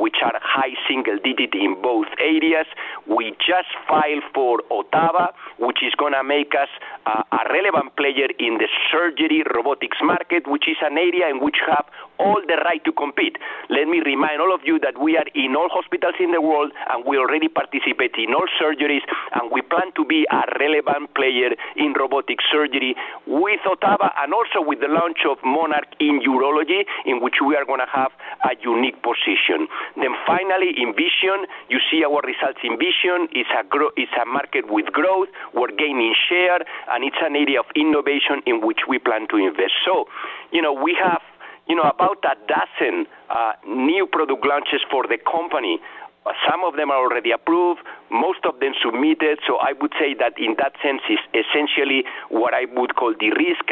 which are high single-digit in both areas. We just filed for Ottava, which is going to make us a relevant player in the surgery robotics market, which is an area in which we have all the right to compete. Let me remind all of you that we are in all hospitals in the world, and we already participate in all surgeries, and we plan to be a relevant player in robotic surgery with Ottava and also with the launch of Monarch in urology, in which we are going to have a unique position. Then finally, in vision, you see our results in vision. It's a market with growth. We're gaining share, and it's an area of innovation in which we plan to invest. So we have about a dozen new product launches for the company. Some of them are already approved, most of them submitted. So I would say that in that sense, it's essentially what I would call de-risk.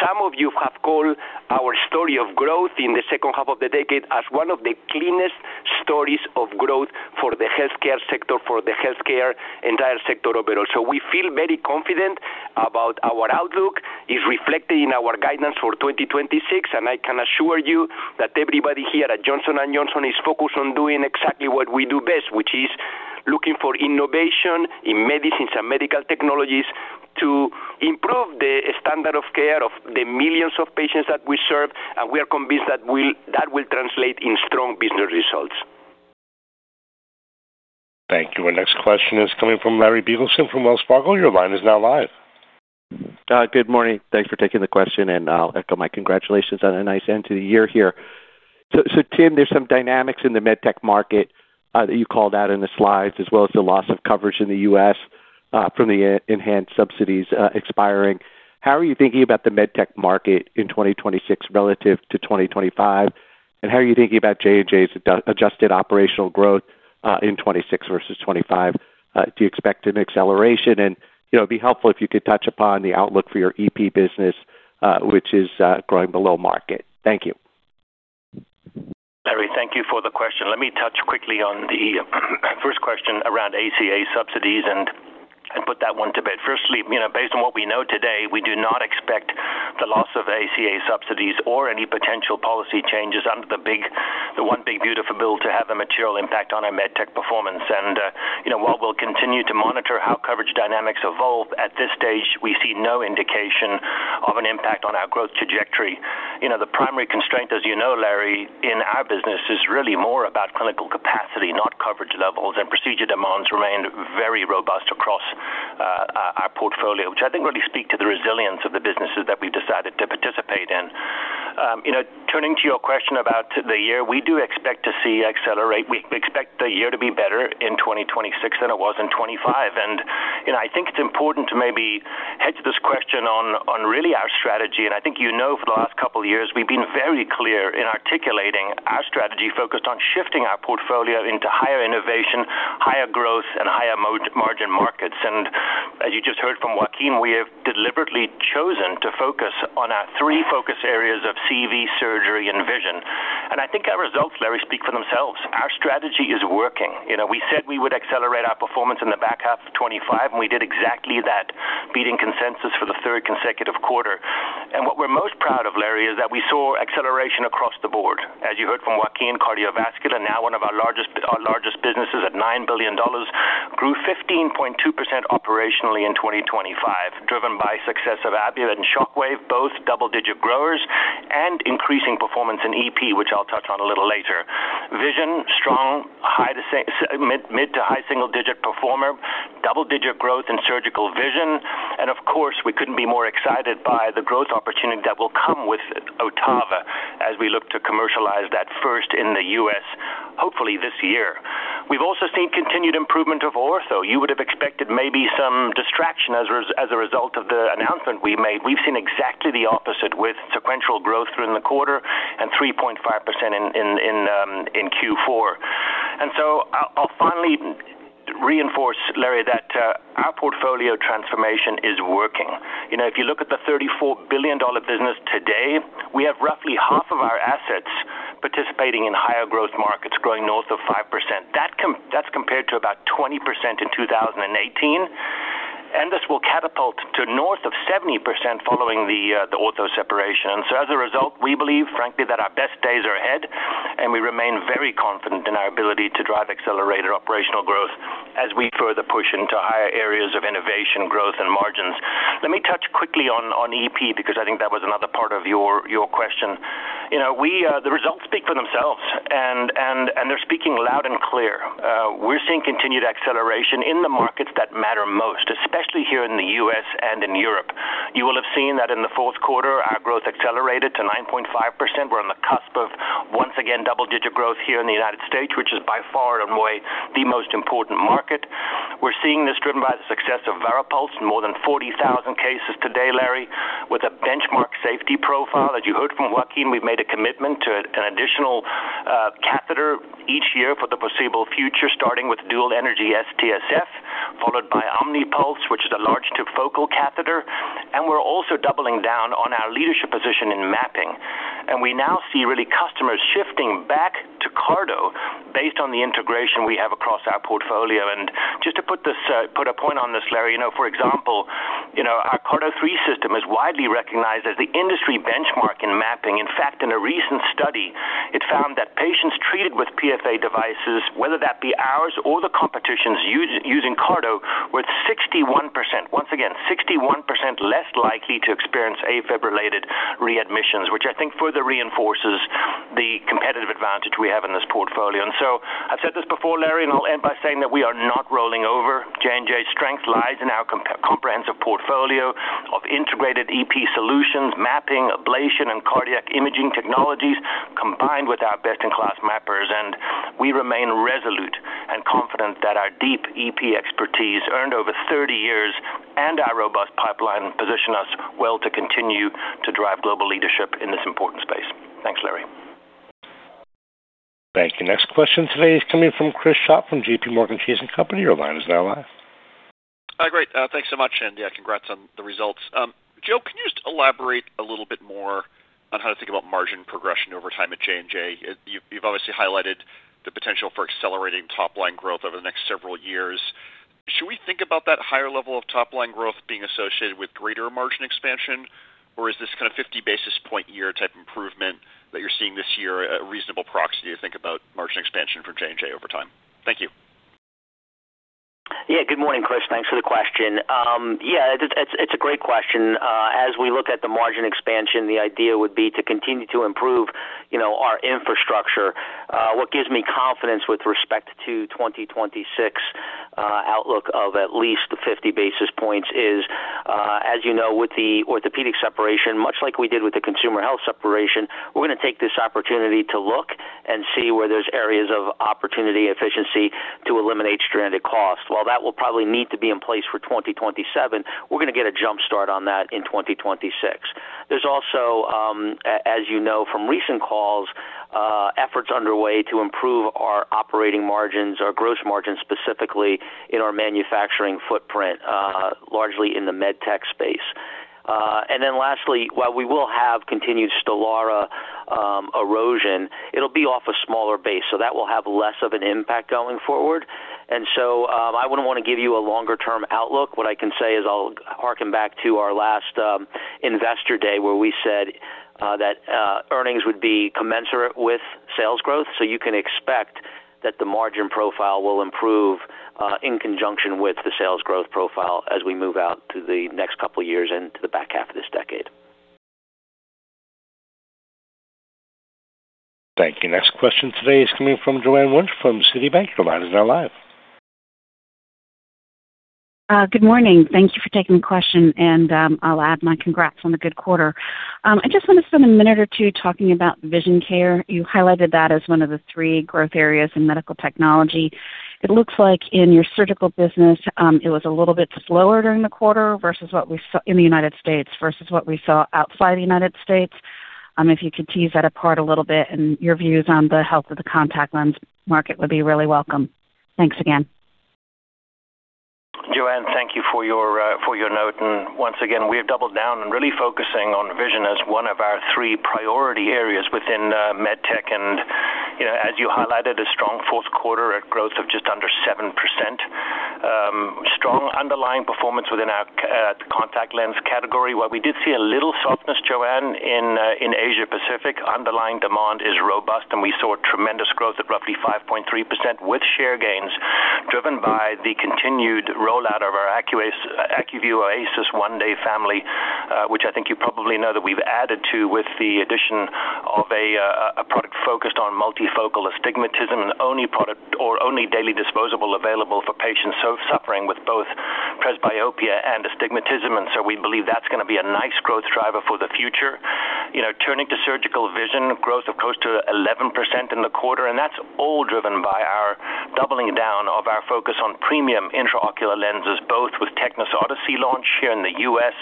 Some of you have called our story of growth in the second half of the decade as one of the cleanest stories of growth for the healthcare sector, for the healthcare entire sector overall. So we feel very confident about our outlook. It's reflected in our guidance for 2026, and I can assure you that everybody here at Johnson & Johnson is focused on doing exactly what we do best, which is looking for innovation in medicines and medical technologies to improve the standard of care of the millions of patients that we serve. And we are convinced that will translate in strong business results. Thank you. Our next question is coming from Larry Biegelsen from Wells Fargo. Your line is now live. Good morning. Thanks for taking the question, and I'll echo my congratulations on a nice end to the year here. Tim, there are some dynamics in the MedTech market that you called out in the slides, as well as the loss of coverage in the U.S. from the enhanced subsidies expiring. How are you thinking about the MedTech market in 2026 relative to 2025? And how are you thinking about J&J's adjusted operational growth in 2026 versus 2025? Do you expect an acceleration? And it would be helpful if you could touch upon the outlook for your EP business, which is growing below market. Thank you. Larry, thank you for the question. Let me touch quickly on the first question around ACA subsidies and put that one to bed. Firstly, based on what we know today, we do not expect the loss of ACA subsidies or any potential policy changes under the one big beautiful bill to have a material impact on our MedTech performance. While we'll continue to monitor how coverage dynamics evolve, at this stage, we see no indication of an impact on our growth trajectory. The primary constraint, as you know, Larry, in our business is really more about clinical capacity, not coverage levels, and procedure demands remain very robust across our portfolio, which I think really speak to the resilience of the businesses that we've decided to participate in. Turning to your question about the year, we do expect to see accelerate. We expect the year to be better in 2026 than it was in 2025. I think it's important to maybe hedge this question on really our strategy. I think you know for the last couple of years, we've been very clear in articulating our strategy focused on shifting our portfolio into higher innovation, higher growth, and higher margin markets. As you just heard from Joaquin, we have deliberately chosen to focus on our three focus areas of CV, surgery, and vision. I think our results, Larry, speak for themselves. Our strategy is working. We said we would accelerate our performance in the back half of 2025, and we did exactly that, beating consensus for the third consecutive quarter. What we're most proud of, Larry, is that we saw acceleration across the board. As you heard from Joaquin, cardiovascular, now one of our largest businesses at $9 billion, grew 15.2% operationally in 2025, driven by success of Abiomed and Shockwave, both double-digit growers and increasing performance in EP, which I'll touch on a little later. Vision, strong, mid- to high-single-digit performer, double-digit growth in Surgical Vision. And of course, we couldn't be more excited by the growth opportunity that will come with Ottava as we look to commercialize that first in the U.S., hopefully this year. We've also seen continued improvement of ortho. You would have expected maybe some distraction as a result of the announcement we made. We've seen exactly the opposite with sequential growth through the quarter and 3.5% in Q4. And so I'll finally reinforce, Larry, that our portfolio transformation is working. If you look at the $34 billion business today, we have roughly half of our assets participating in higher growth markets, growing north of 5%. That's compared to about 20% in 2018. And this will catapult to north of 70% following the ortho separation. And so as a result, we believe, frankly, that our best days are ahead, and we remain very confident in our ability to drive accelerated operational growth as we further push into higher areas of innovation, growth, and margins. Let me touch quickly on EP because I think that was another part of your question. The results speak for themselves, and they're speaking loud and clear. We're seeing continued acceleration in the markets that matter most, especially here in the U.S. and in Europe. You will have seen that in the fourth quarter, our growth accelerated to 9.5%. We're on the cusp of once again double-digit growth here in the United States, which is by far and away the most important market. We're seeing this driven by the success of VARIPULSE, more than 40,000 cases today, Larry, with a benchmark safety profile. As you heard from Joaquin, we've made a commitment to an additional catheter each year for the foreseeable future, starting with dual-energy STSF, followed by OMNIPULSE, which is a large-focal catheter. We're also doubling down on our leadership position in mapping. We now see really customers shifting back to CARTO based on the integration we have across our portfolio. Just to put a point on this, Larry, for example, our CARTO 3 system is widely recognized as the industry benchmark in mapping. In fact, in a recent study, it found that patients treated with PFA devices, whether that be ours or the competition's using CARTO, were 61%, once again, 61% less likely to experience AFib-related readmissions, which I think further reinforces the competitive advantage we have in this portfolio. And so I've said this before, Larry, and I'll end by saying that we are not rolling over. J&J's strength lies in our comprehensive portfolio of integrated EP solutions, mapping, ablation, and cardiac imaging technologies combined with our best-in-class mappers. And we remain resolute and confident that our deep EP expertise earned over 30 years and our robust pipeline position us well to continue to drive global leadership in this important space. Thanks, Larry. Thank you. Next question today is coming from Chris Schott from JPMorgan Chase & Company. Your line is now live. Great. Thanks so much, and congrats on the results. Joe, can you just elaborate a little bit more on how to think about margin progression over time at J&J? You've obviously highlighted the potential for accelerating top-line growth over the next several years. Should we think about that higher level of top-line growth being associated with greater margin expansion, or is this kind of 50 basis point per year type improvement that you're seeing this year a reasonable proxy to think about margin expansion for J&J over time? Thank you. Yeah. Good morning, Chris. Thanks for the question. Yeah, it's a great question. As we look at the margin expansion, the idea would be to continue to improve our infrastructure. What gives me confidence with respect to 2026 outlook of at least 50 basis points is, as you know, with the orthopedic separation, much like we did with the consumer health separation, we're going to take this opportunity to look and see where there's areas of opportunity efficiency to eliminate stranded cost. While that will probably need to be in place for 2027, we're going to get a jumpstart on that in 2026. There's also, as you know from recent calls, efforts underway to improve our operating margins, our gross margins specifically in our manufacturing footprint, largely in the MedTech space. And then lastly, while we will have continued Stelara erosion, it'll be off a smaller base, so that will have less of an impact going forward. And so I wouldn't want to give you a longer-term outlook. What I can say is I'll harken back to our last investor day where we said that earnings would be commensurate with sales growth, so you can expect that the margin profile will improve in conjunction with the sales growth profile as we move out to the next couple of years and to the back half of this decade. Thank you. Next question today is coming from Joanne Wuensch from Citibank. Your line is now live. Good morning. Thank you for taking the question, and I'll add my congrats on the good quarter. I just want to spend a minute or two talking about Vision Care. You highlighted that as one of the three growth areas in medical technology. It looks like in your surgical business, it was a little bit slower during the quarter versus what we saw in the United States versus what we saw outside the United States. If you could tease that apart a little bit and your views on the health of the contact lens market would be really welcome. Thanks again. Joanne, thank you for your note. And once again, we have doubled down and really focusing on vision as one of our three priority areas within MedTech. And as you highlighted, a strong fourth quarter at growth of just under 7%. Strong underlying performance within our contact lens category. While we did see a little softness, Joanne, in Asia-Pacific, underlying demand is robust, and we saw tremendous growth at roughly 5.3% with share gains driven by the continued rollout of our Acuvue Oasys 1-Day family, which I think you probably know that we've added to with the addition of a product focused on multifocal astigmatism and only daily disposable available for patients suffering with both presbyopia and astigmatism. And so we believe that's going to be a nice growth driver for the future. Turning to Surgical Vision, growth of close to 11% in the quarter, and that's all driven by our doubling down of our focus on premium intraocular lenses, both with Tecnis Odyssey launch here in the U.S.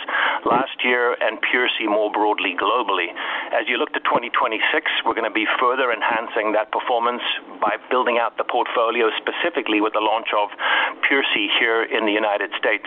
last year and PureSee more broadly globally. As you look to 2026, we're going to be further enhancing that performance by building out the portfolio specifically with the launch of PureSee here in the United States.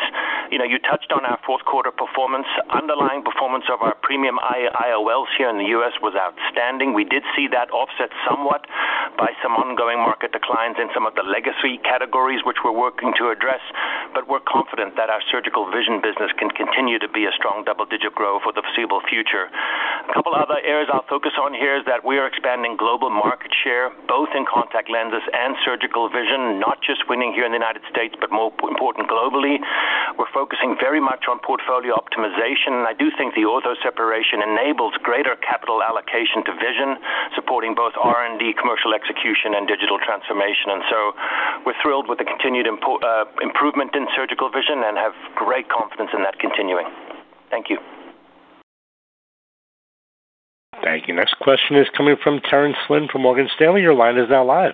You touched on our fourth quarter performance. Underlying performance of our premium IOLs here in the U.S. was outstanding. We did see that offset somewhat by some ongoing market declines in some of the legacy categories which we're working to address, but we're confident that our Surgical Vision business can continue to be a strong double-digit growth for the foreseeable future. A couple of other areas I'll focus on here is that we are expanding global market share, both in contact lenses and Surgical Vision, not just winning here in the United States, but more importantly, globally. We're focusing very much on portfolio optimization, and I do think the ortho separation enables greater capital allocation to vision, supporting both R&D, commercial execution, and digital transformation. And so we're thrilled with the continued improvement in Surgical Vision and have great confidence in that continuing. Thank you. Thank you. Next question is coming from Terence Flynn from Morgan Stanley. Your line is now live.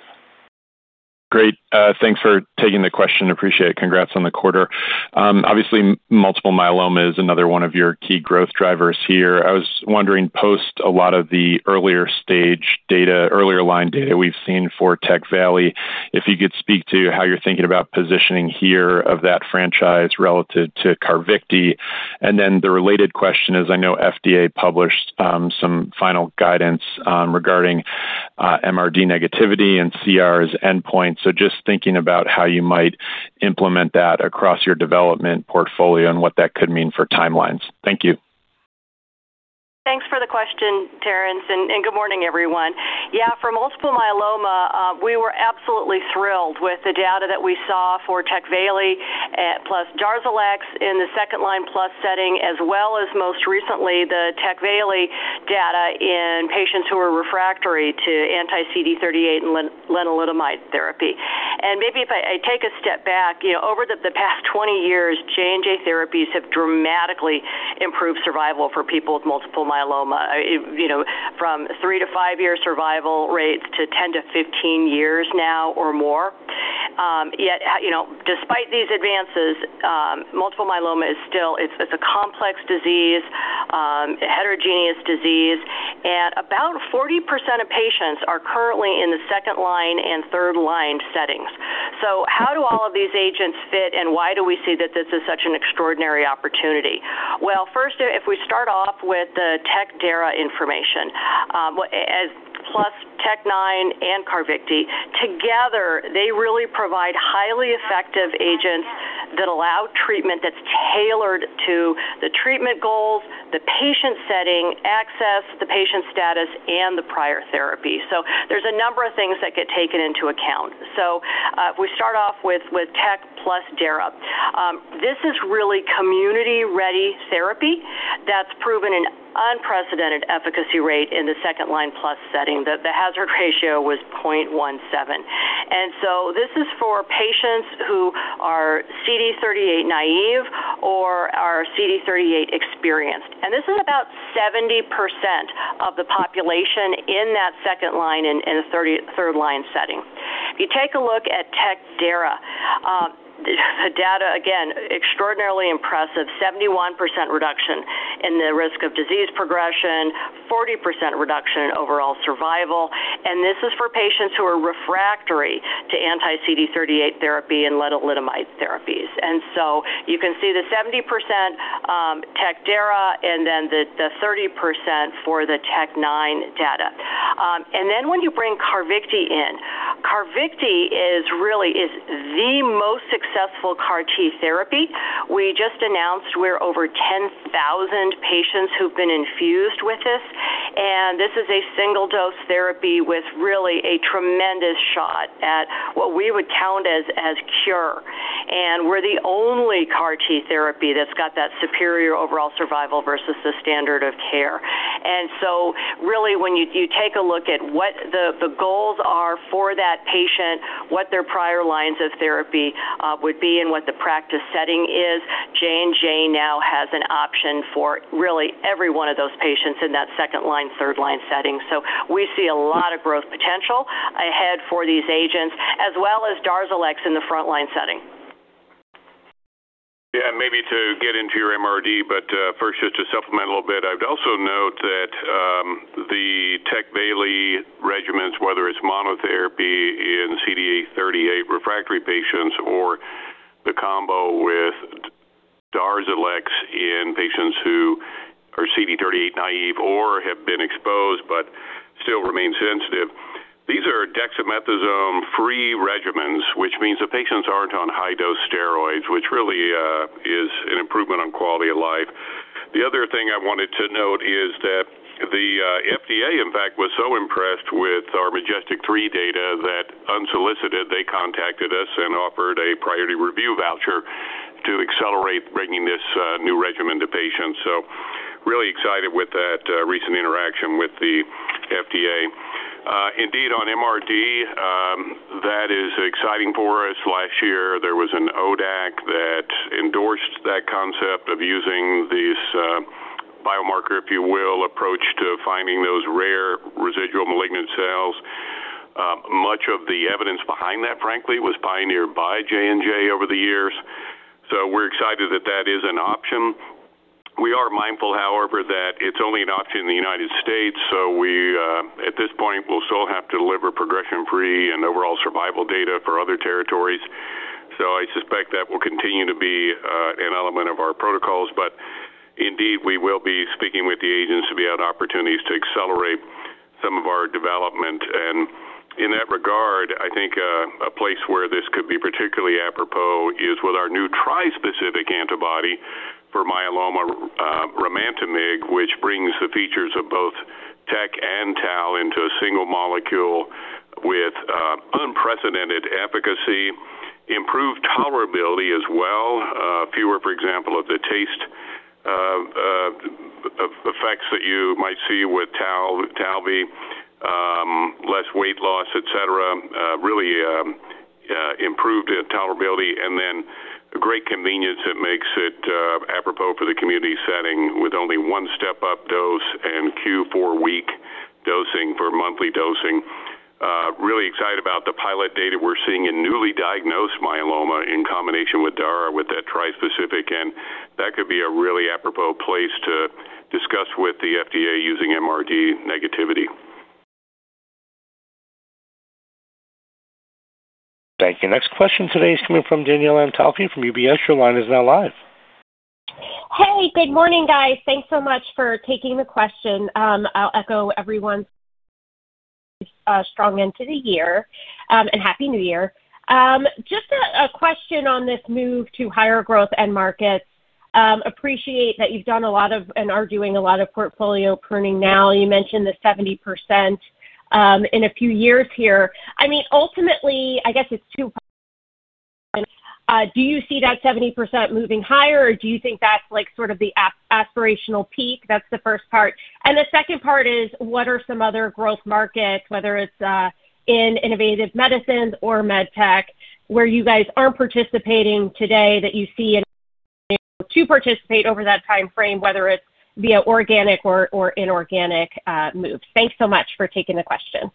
Great. Thanks for taking the question. Appreciate it. Congrats on the quarter. Obviously, multiple myeloma is another one of your key growth drivers here. I was wondering, post a lot of the earlier stage data, earlier line data we've seen for Tecvayli, if you could speak to how you're thinking about positioning here of that franchise relative to Carvykti. And then the related question is, I know FDA published some final guidance regarding MRD negativity and CR's endpoint. Just thinking about how you might implement that across your development portfolio and what that could mean for timelines. Thank you. Thanks for the question, Terence, and good morning, everyone. Yeah, for multiple myeloma, we were absolutely thrilled with the data that we saw for Tecvayli plus Darzalex in the second-line plus setting, as well as most recently, the Tecvayli data in patients who are refractory to anti-CD38 and lenalidomide therapy. And maybe if I take a step back, over the past 20 years, J&J therapies have dramatically improved survival for people with multiple myeloma from three- to five-year survival rates to 10-15 years now or more. Yet, despite these advances, multiple myeloma is still a complex disease, a heterogeneous disease, and about 40% of patients are currently in the second-line and third-line settings. So how do all of these agents fit, and why do we see that this is such an extraordinary opportunity? Well, first, if we start off with the Tecvayli DARA information, plus Tecvayli 9 and Carvykti, together, they really provide highly effective agents that allow treatment that's tailored to the treatment goals, the patient setting, access, the patient status, and the prior therapy. So there's a number of things that get taken into account. So we start off with Tecvayli plus DARA. This is really community-ready therapy that's proven an unprecedented efficacy rate in the second-line plus setting. The hazard ratio was 0.17. And so this is for patients who are CD38 naive or are CD38 experienced. And this is about 70% of the population in that second-line and third-line setting. If you take a look at Tecvayli DARZALEX, the data, again, extraordinarily impressive: 71% reduction in the risk of disease progression, 40% reduction in overall survival, and this is for patients who are refractory to anti-CD38 therapy and lenalidomide therapies, and so you can see the 70% Tecvayli DARZALEX and then the 30% for the TEC-9 data, and then when you bring Carvykti in, Carvykti is really the most successful CAR-T therapy. We just announced we're over 10,000 patients who've been infused with this, and this is a single-dose therapy with really a tremendous shot at what we would count as cure, and we're the only CAR-T therapy that's got that superior overall survival versus the standard of care. And so really, when you take a look at what the goals are for that patient, what their prior lines of therapy would be, and what the practice setting is, J&J now has an option for really every one of those patients in that second-line, third-line setting. So we see a lot of growth potential ahead for these agents, as well as Darzalex in the front-line setting. Yeah, and maybe to get into your MRD, but first, just to supplement a little bit, I'd also note that the Tecvayli regimens, whether it's monotherapy in CD38 refractory patients or the combo with Darzalex in patients who are CD38 naive or have been exposed but still remain sensitive, these are dexamethasone-free regimens, which means the patients aren't on high-dose steroids, which really is an improvement on quality of life. The other thing I wanted to note is that the FDA, in fact, was so impressed with our MajesTEC-3 data that unsolicited, they contacted us and offered a priority review voucher to accelerate bringing this new regimen to patients. So really excited with that recent interaction with the FDA. Indeed, on MRD, that is exciting for us. Last year, there was an ODAC that endorsed that concept of using this biomarker, if you will, approach to finding those rare residual malignant cells. Much of the evidence behind that, frankly, was pioneered by J&J over the years. So we're excited that that is an option. We are mindful, however, that it's only an option in the United States. So we, at this point, will still have to deliver progression-free and overall survival data for other territories. So I suspect that will continue to be an element of our protocols. But indeed, we will be speaking with the agents to be able to have opportunities to accelerate some of our development. And in that regard, I think a place where this could be particularly apropos is with our new tri-specific antibody for myeloma, Romantomig, which brings the features of both Tecvayli and Talvey into a single molecule with unprecedented efficacy, improved tolerability as well, fewer, for example, of the taste effects that you might see with Talvey, less weight loss, etc., really improved tolerability, and then great convenience that makes it apropos for the community setting with only one step-up dose and Q4 week dosing for monthly dosing. Really excited about the pilot data we're seeing in newly diagnosed myeloma in combination with DARA with that tri-specific, and that could be a really apropos place to discuss with the FDA using MRD negativity. Thank you. Next question today is coming from Danielle Antalffy from UBS. Your line is now live. Hey, good morning, guys. Thanks so much for taking the question. I'll echo everyone's strong end to the year and happy new year. Just a question on this move to higher growth end markets. Appreciate that you've done a lot of and are doing a lot of portfolio pruning now. You mentioned the 70% in a few years here. I mean, ultimately, I guess it's two parts. Do you see that 70% moving higher, or do you think that's sort of the aspirational peak? That's the first part. And the second part is, what are some other growth markets, whether it's in Innovative Medicine or MedTech, where you guys aren't participating today that you see to participate over that time frame, whether it's via organic or inorganic moves? Thanks so much for taking the question.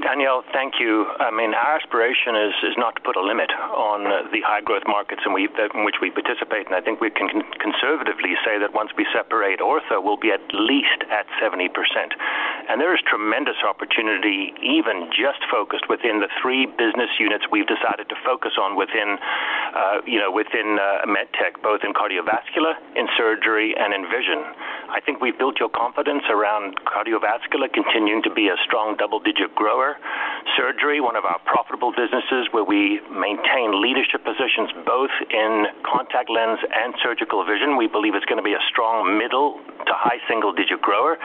Danielle, thank you. I mean, our aspiration is not to put a limit on the high-growth markets in which we participate. And I think we can conservatively say that once we separate ortho will be at least at 70%. And there is tremendous opportunity even just focused within the three business units we've decided to focus on within MedTech, both in Cardiovascular, in Surgery, and in Vision. I think we've built your confidence around Cardiovascular continuing to be a strong double-digit grower. Surgery, one of our profitable businesses where we maintain leadership positions both in contact lens and Surgical Vision. We believe it's going to be a strong middle to high single-digit grower.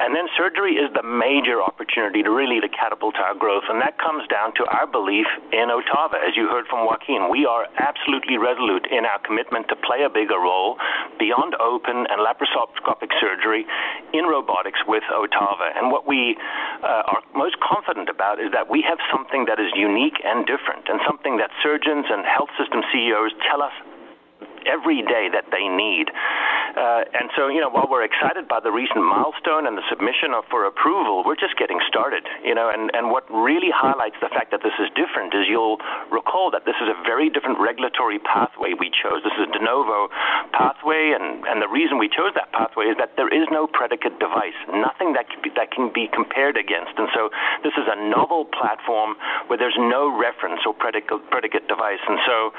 And then Surgery is the major opportunity to really catapult our growth. And that comes down to our belief in Ottava. As you heard from Joaquin, we are absolutely resolute in our commitment to play a bigger role beyond open and laparoscopic surgery in robotics with Ottava, and what we are most confident about is that we have something that is unique and different and something that surgeons and health system CEOs tell us every day that they need, and so while we're excited by the recent milestone and the submission for approval, we're just getting started, and what really highlights the fact that this is different is you'll recall that this is a very different regulatory pathway we chose. This is a De Novo pathway, and the reason we chose that pathway is that there is no predicate device, nothing that can be compared against, and so this is a novel platform where there's no reference or predicate device. And so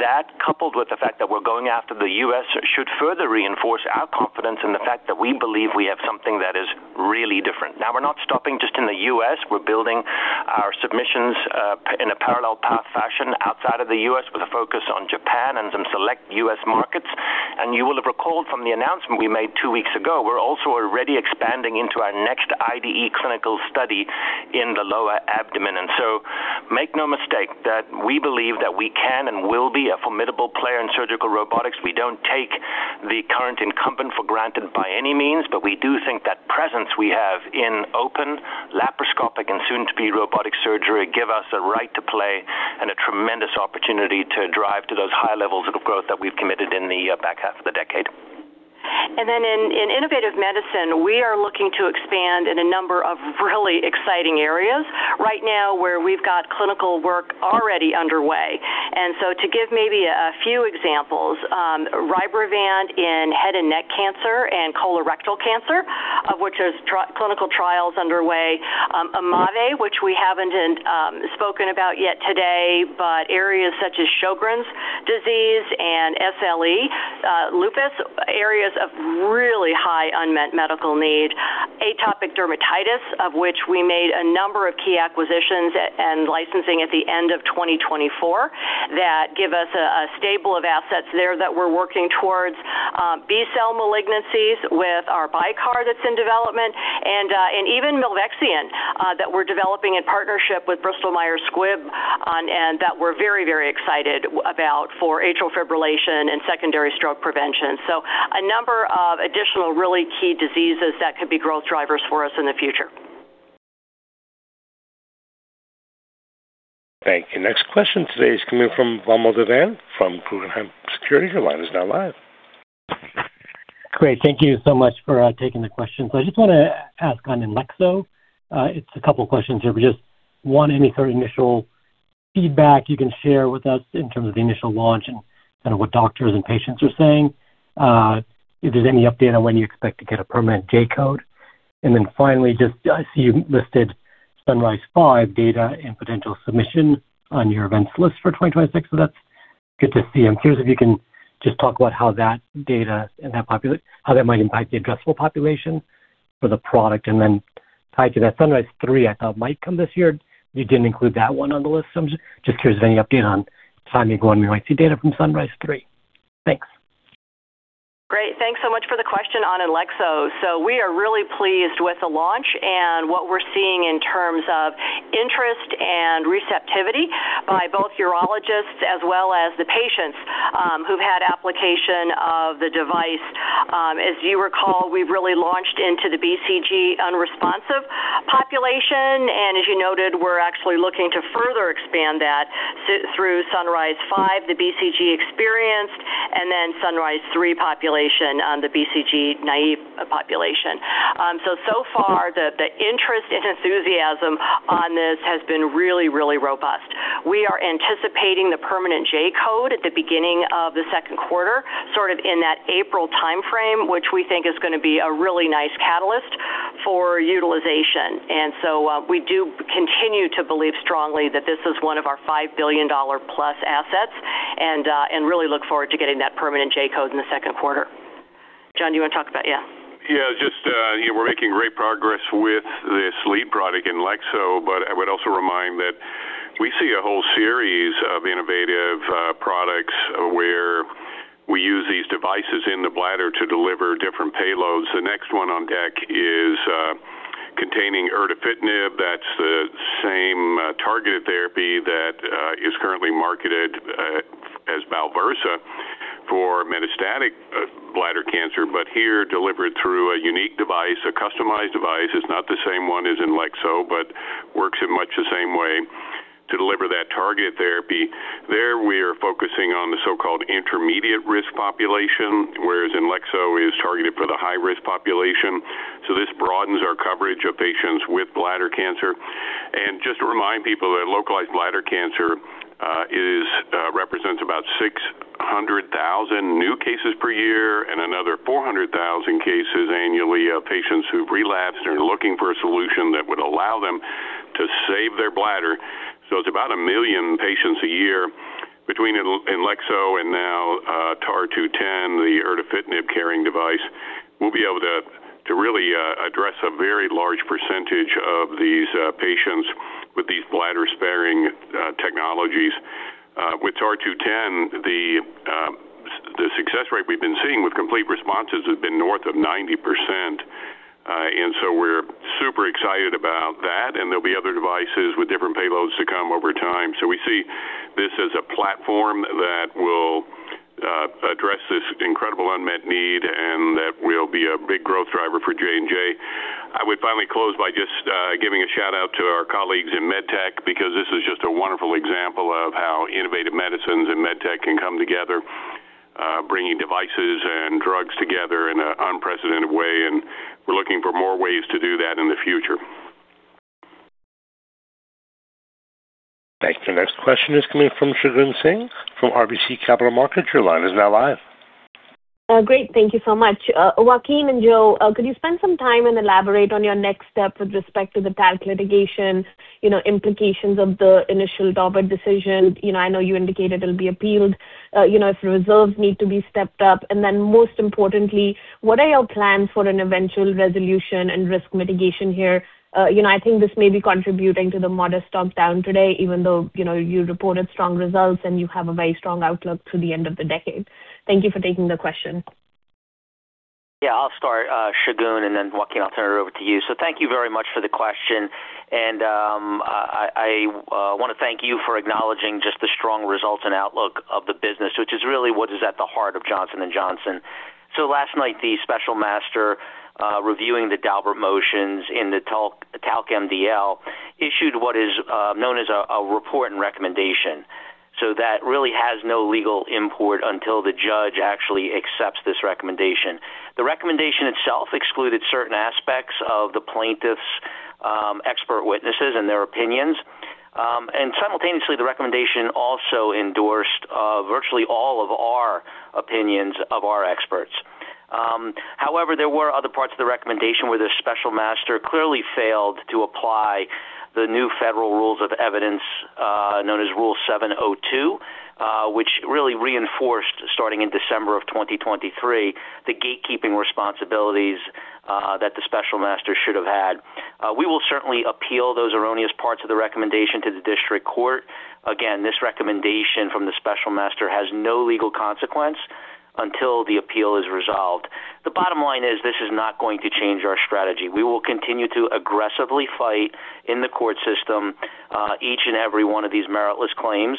that, coupled with the fact that we're going after the U.S., should further reinforce our confidence in the fact that we believe we have something that is really different. Now, we're not stopping just in the U.S. We're building our submissions in a parallel path fashion outside of the U.S. with a focus on Japan and some select U.S. markets. And you will have recalled from the announcement we made two weeks ago, we're also already expanding into our next IDE clinical study in the lower abdomen. And so make no mistake that we believe that we can and will be a formidable player in surgical robotics. We don't take the current incumbent for granted by any means, but we do think that presence we have in open laparoscopic and soon-to-be robotic surgery gives us a right to play and a tremendous opportunity to drive to those high levels of growth that we've committed in the back half of the decade. And then in Innovative Medicine, we are looking to expand in a number of really exciting areas right now where we've got clinical work already underway. And so to give maybe a few examples, Rybrevant in head and neck cancer and colorectal cancer, of which there's clinical trials underway. Amave, which we haven't spoken about yet today, but areas such as Sjögren's disease and SLE, lupus, areas of really high unmet medical need. Atopic dermatitis, of which we made a number of key acquisitions and licensing at the end of 2024 that give us a stable of assets there that we're working towards. B-cell malignancies with our BiCAR that's in development. And even Milvexian that we're developing in partnership with Bristol-Myers Squibb and that we're very, very excited about for atrial fibrillation and secondary stroke prevention. So a number of additional really key diseases that could be growth drivers for us in the future. Thank you. Next question today is coming from Vamil Divan from Guggenheim Securities. Your line is now live. Great. Thank you so much for taking the questions. I just want to ask on Inlexo. It's a couple of questions here. Just one, any sort of initial feedback you can share with us in terms of the initial launch and kind of what doctors and patients are saying? If there's any update on when you expect to get a permanent J code? And then finally, just I see you listed SunRISe-5 data and potential submission on your events list for 2026. So that's good to see. I'm curious if you can just talk about how that data and how that might impact the addressable population for the product. And then tied to that, SunRISe-3, I thought might come this year. You didn't include that one on the list. Just curious of any update on time you're going to see data from SunRISe-3. Thanks. Great. Thanks so much for the question on Inlexo. So we are really pleased with the launch and what we're seeing in terms of interest and receptivity by both urologists as well as the patients who've had application of the device. As you recall, we've really launched into the BCG unresponsive population. And as you noted, we're actually looking to further expand that through SunRISe-5, the BCG-experienced, and then SunRISe-3 population on the BCG-naive population. So, so far, the interest and enthusiasm on this has been really, really robust. We are anticipating the permanent J code at the beginning of the second quarter, sort of in that April time frame, which we think is going to be a really nice catalyst for utilization. And so we do continue to believe strongly that this is one of our $5 billion-plus assets and really look forward to getting that permanent J code in the second quarter. John, do you want to talk about, yeah? Yeah, just we're making great progress with this lead product in Inlexo, but I would also remind that we see a whole series of innovative products where we use these devices in the bladder to deliver different payloads. The next one on deck is containing ERLEADA. That's the same targeted therapy that is currently marketed as Balversa for metastatic bladder cancer, but here delivered through a unique device, a customized device. It's not the same one as in Inlexo, but works in much the same way to deliver that targeted therapy. There we are focusing on the so-called intermediate risk population, whereas in Inlexo is targeted for the high-risk population. So this broadens our coverage of patients with bladder cancer. Just to remind people that localized bladder cancer represents about 600,000 new cases per year and another 400,000 cases annually of patients who've relapsed and are looking for a solution that would allow them to save their bladder. It's about a million patients a year between Inlexo and now TAR-210, the ERLEADA carrying device. We'll be able to really address a very large percentage of these patients with these bladder-sparing technologies. With TAR-210, the success rate we've been seeing with complete responses has been north of 90%. We're super excited about that. There'll be other devices with different payloads to come over time. We see this as a platform that will address this incredible unmet need and that will be a big growth driver for J&J. I would finally close by just giving a shout-out to our colleagues in MedTech because this is just a wonderful example of how Innovative Medicines and MedTech can come together, bringing devices and drugs together in an unprecedented way, and we're looking for more ways to do that in the future. Thank you. Next question is coming from Shagun Singh from RBC Capital Markets. Your line is now live. Great. Thank you so much. Joaquin and Joe, could you spend some time and elaborate on your next step with respect to the talc litigation, implications of the initial Daubert decision? I know you indicated it'll be appealed if reserves need to be stepped up, and then most importantly, what are your plans for an eventual resolution and risk mitigation here? I think this may be contributing to the modest top-down today, even though you reported strong results and you have a very strong outlook to the end of the decade. Thank you for taking the question. Yeah, I'll start, Shagun, and then Joaquin, I'll turn it over to you. So thank you very much for the question. And I want to thank you for acknowledging just the strong results and outlook of the business, which is really what is at the heart of Johnson & Johnson. So last night, the special master reviewing the Daubert motions in the TALC MDL issued what is known as a report and recommendation. So that really has no legal import until the judge actually accepts this recommendation. The recommendation itself excluded certain aspects of the plaintiff's expert witnesses and their opinions. And simultaneously, the recommendation also endorsed virtually all of our opinions of our experts. However, there were other parts of the recommendation where the special master clearly failed to apply the new federal rules of evidence known as Rule 702, which really reinforced, starting in December of 2023, the gatekeeping responsibilities that the special master should have had. We will certainly appeal those erroneous parts of the recommendation to the district court. Again, this recommendation from the special master has no legal consequence until the appeal is resolved. The bottom line is this is not going to change our strategy. We will continue to aggressively fight in the court system each and every one of these meritless claims.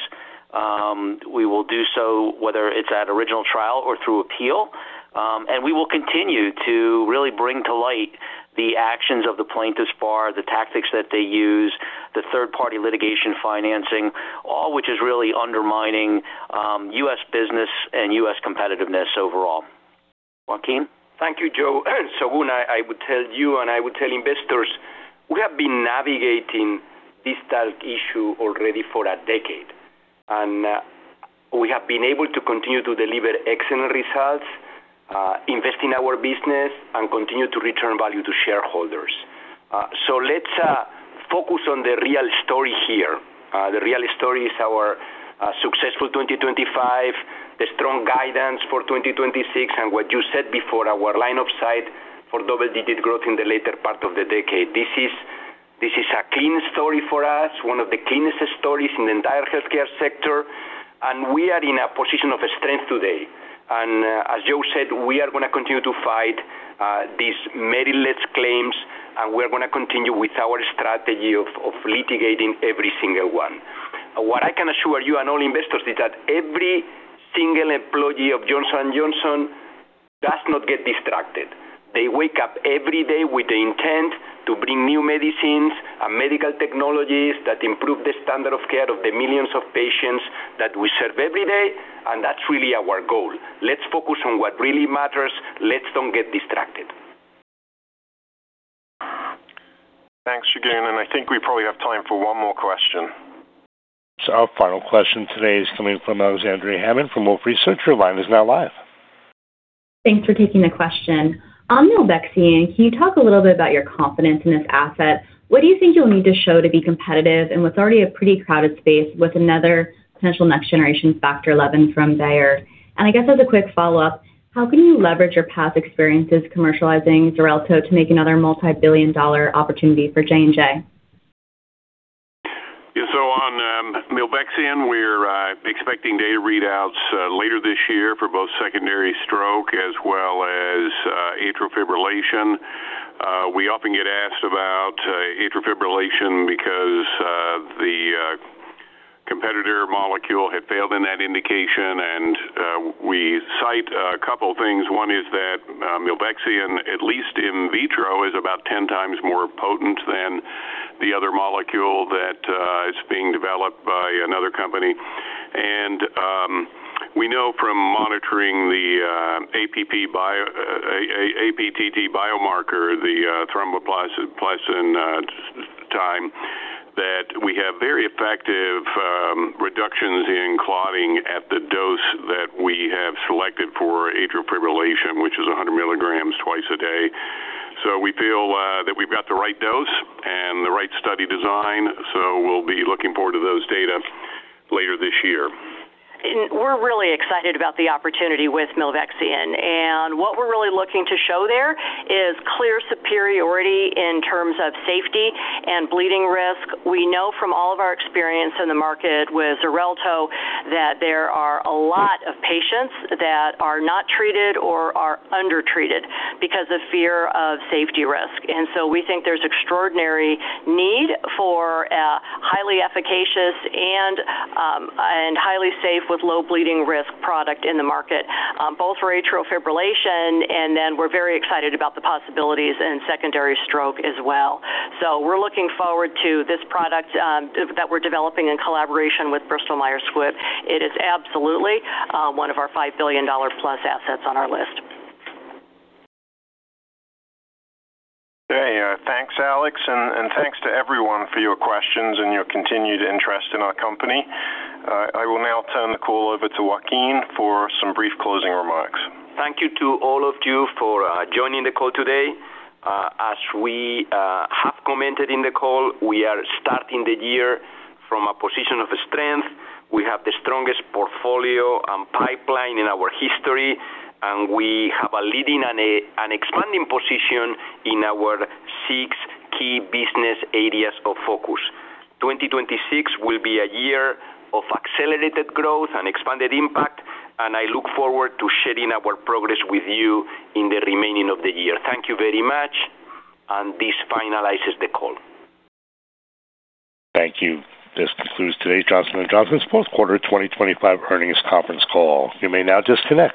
We will do so whether it's at original trial or through appeal. And we will continue to really bring to light the actions of the plaintiff's bar, the tactics that they use, the third-party litigation financing, all which is really undermining U.S. business and U.S. competitiveness overall. Joaquin? Thank you, Joe. Shagun, I would tell you and I would tell investors, we have been navigating this TALC issue already for a decade. And we have been able to continue to deliver excellent results, invest in our business, and continue to return value to shareholders. So let's focus on the real story here. The real story is our successful 2025, the strong guidance for 2026, and what you said before, our line of sight for double-digit growth in the later part of the decade. This is a clean story for us, one of the cleanest stories in the entire healthcare sector. And we are in a position of strength today. As Joe said, we are going to continue to fight these meritless claims, and we're going to continue with our strategy of litigating every single one. What I can assure you and all investors is that every single employee of Johnson & Johnson does not get distracted. They wake up every day with the intent to bring new medicines and medical technologies that improve the standard of care of the millions of patients that we serve every day. And that's really our goal. Let's focus on what really matters. Let's not get distracted. Thanks, Shagun. And I think we probably have time for one more question. So our final question today is coming from Alexandria Hammond from Wolfe Research. Your line is now live. Thanks for taking the question. On Milvexian, can you talk a little bit about your confidence in this asset? What do you think you'll need to show to be competitive in what's already a pretty crowded space with another potential next-generation Factor XI from Bayer? And I guess as a quick follow-up, how can you leverage your past experiences commercializing Xarelto to make another multi-billion-dollar opportunity for J&J? Yeah, so on Milvexian, we're expecting data readouts later this year for both secondary stroke as well as atrial fibrillation. We often get asked about atrial fibrillation because the competitor molecule had failed in that indication. And we cite a couple of things. One is that Milvexian, at least in vitro, is about 10 times more potent than the other molecule that is being developed by another company. We know from monitoring the APTT biomarker, the thromboplastin time, that we have very effective reductions in clotting at the dose that we have selected for atrial fibrillation, which is 100 milligrams twice a day. We feel that we've got the right dose and the right study design. We'll be looking forward to those data later this year. We're really excited about the opportunity with Milvexian. What we're really looking to show there is clear superiority in terms of safety and bleeding risk. We know from all of our experience in the market with Xarelto that there are a lot of patients that are not treated or are undertreated because of fear of safety risk. We think there's extraordinary need for a highly efficacious and highly safe with low bleeding risk product in the market, both for atrial fibrillation. Then we're very excited about the possibilities in secondary stroke as well. So we're looking forward to this product that we're developing in collaboration with Bristol-Myers Squibb. It is absolutely one of our $5 billion-plus assets on our list. There you are. Thanks, Alex. And thanks to everyone for your questions and your continued interest in our company. I will now turn the call over to Joaquin for some brief closing remarks. Thank you to all of you for joining the call today. As we have commented in the call, we are starting the year from a position of strength. We have the strongest portfolio and pipeline in our history. And we have a leading and expanding position in our six key business areas of focus. 2026 will be a year of accelerated growth and expanded impact. And I look forward to sharing our progress with you in the remainder of the year. Thank you very much. And this finalizes the call. Thank you. This concludes today's Johnson & Johnson's Fourth Quarter 2025 earnings conference call. You may now disconnect.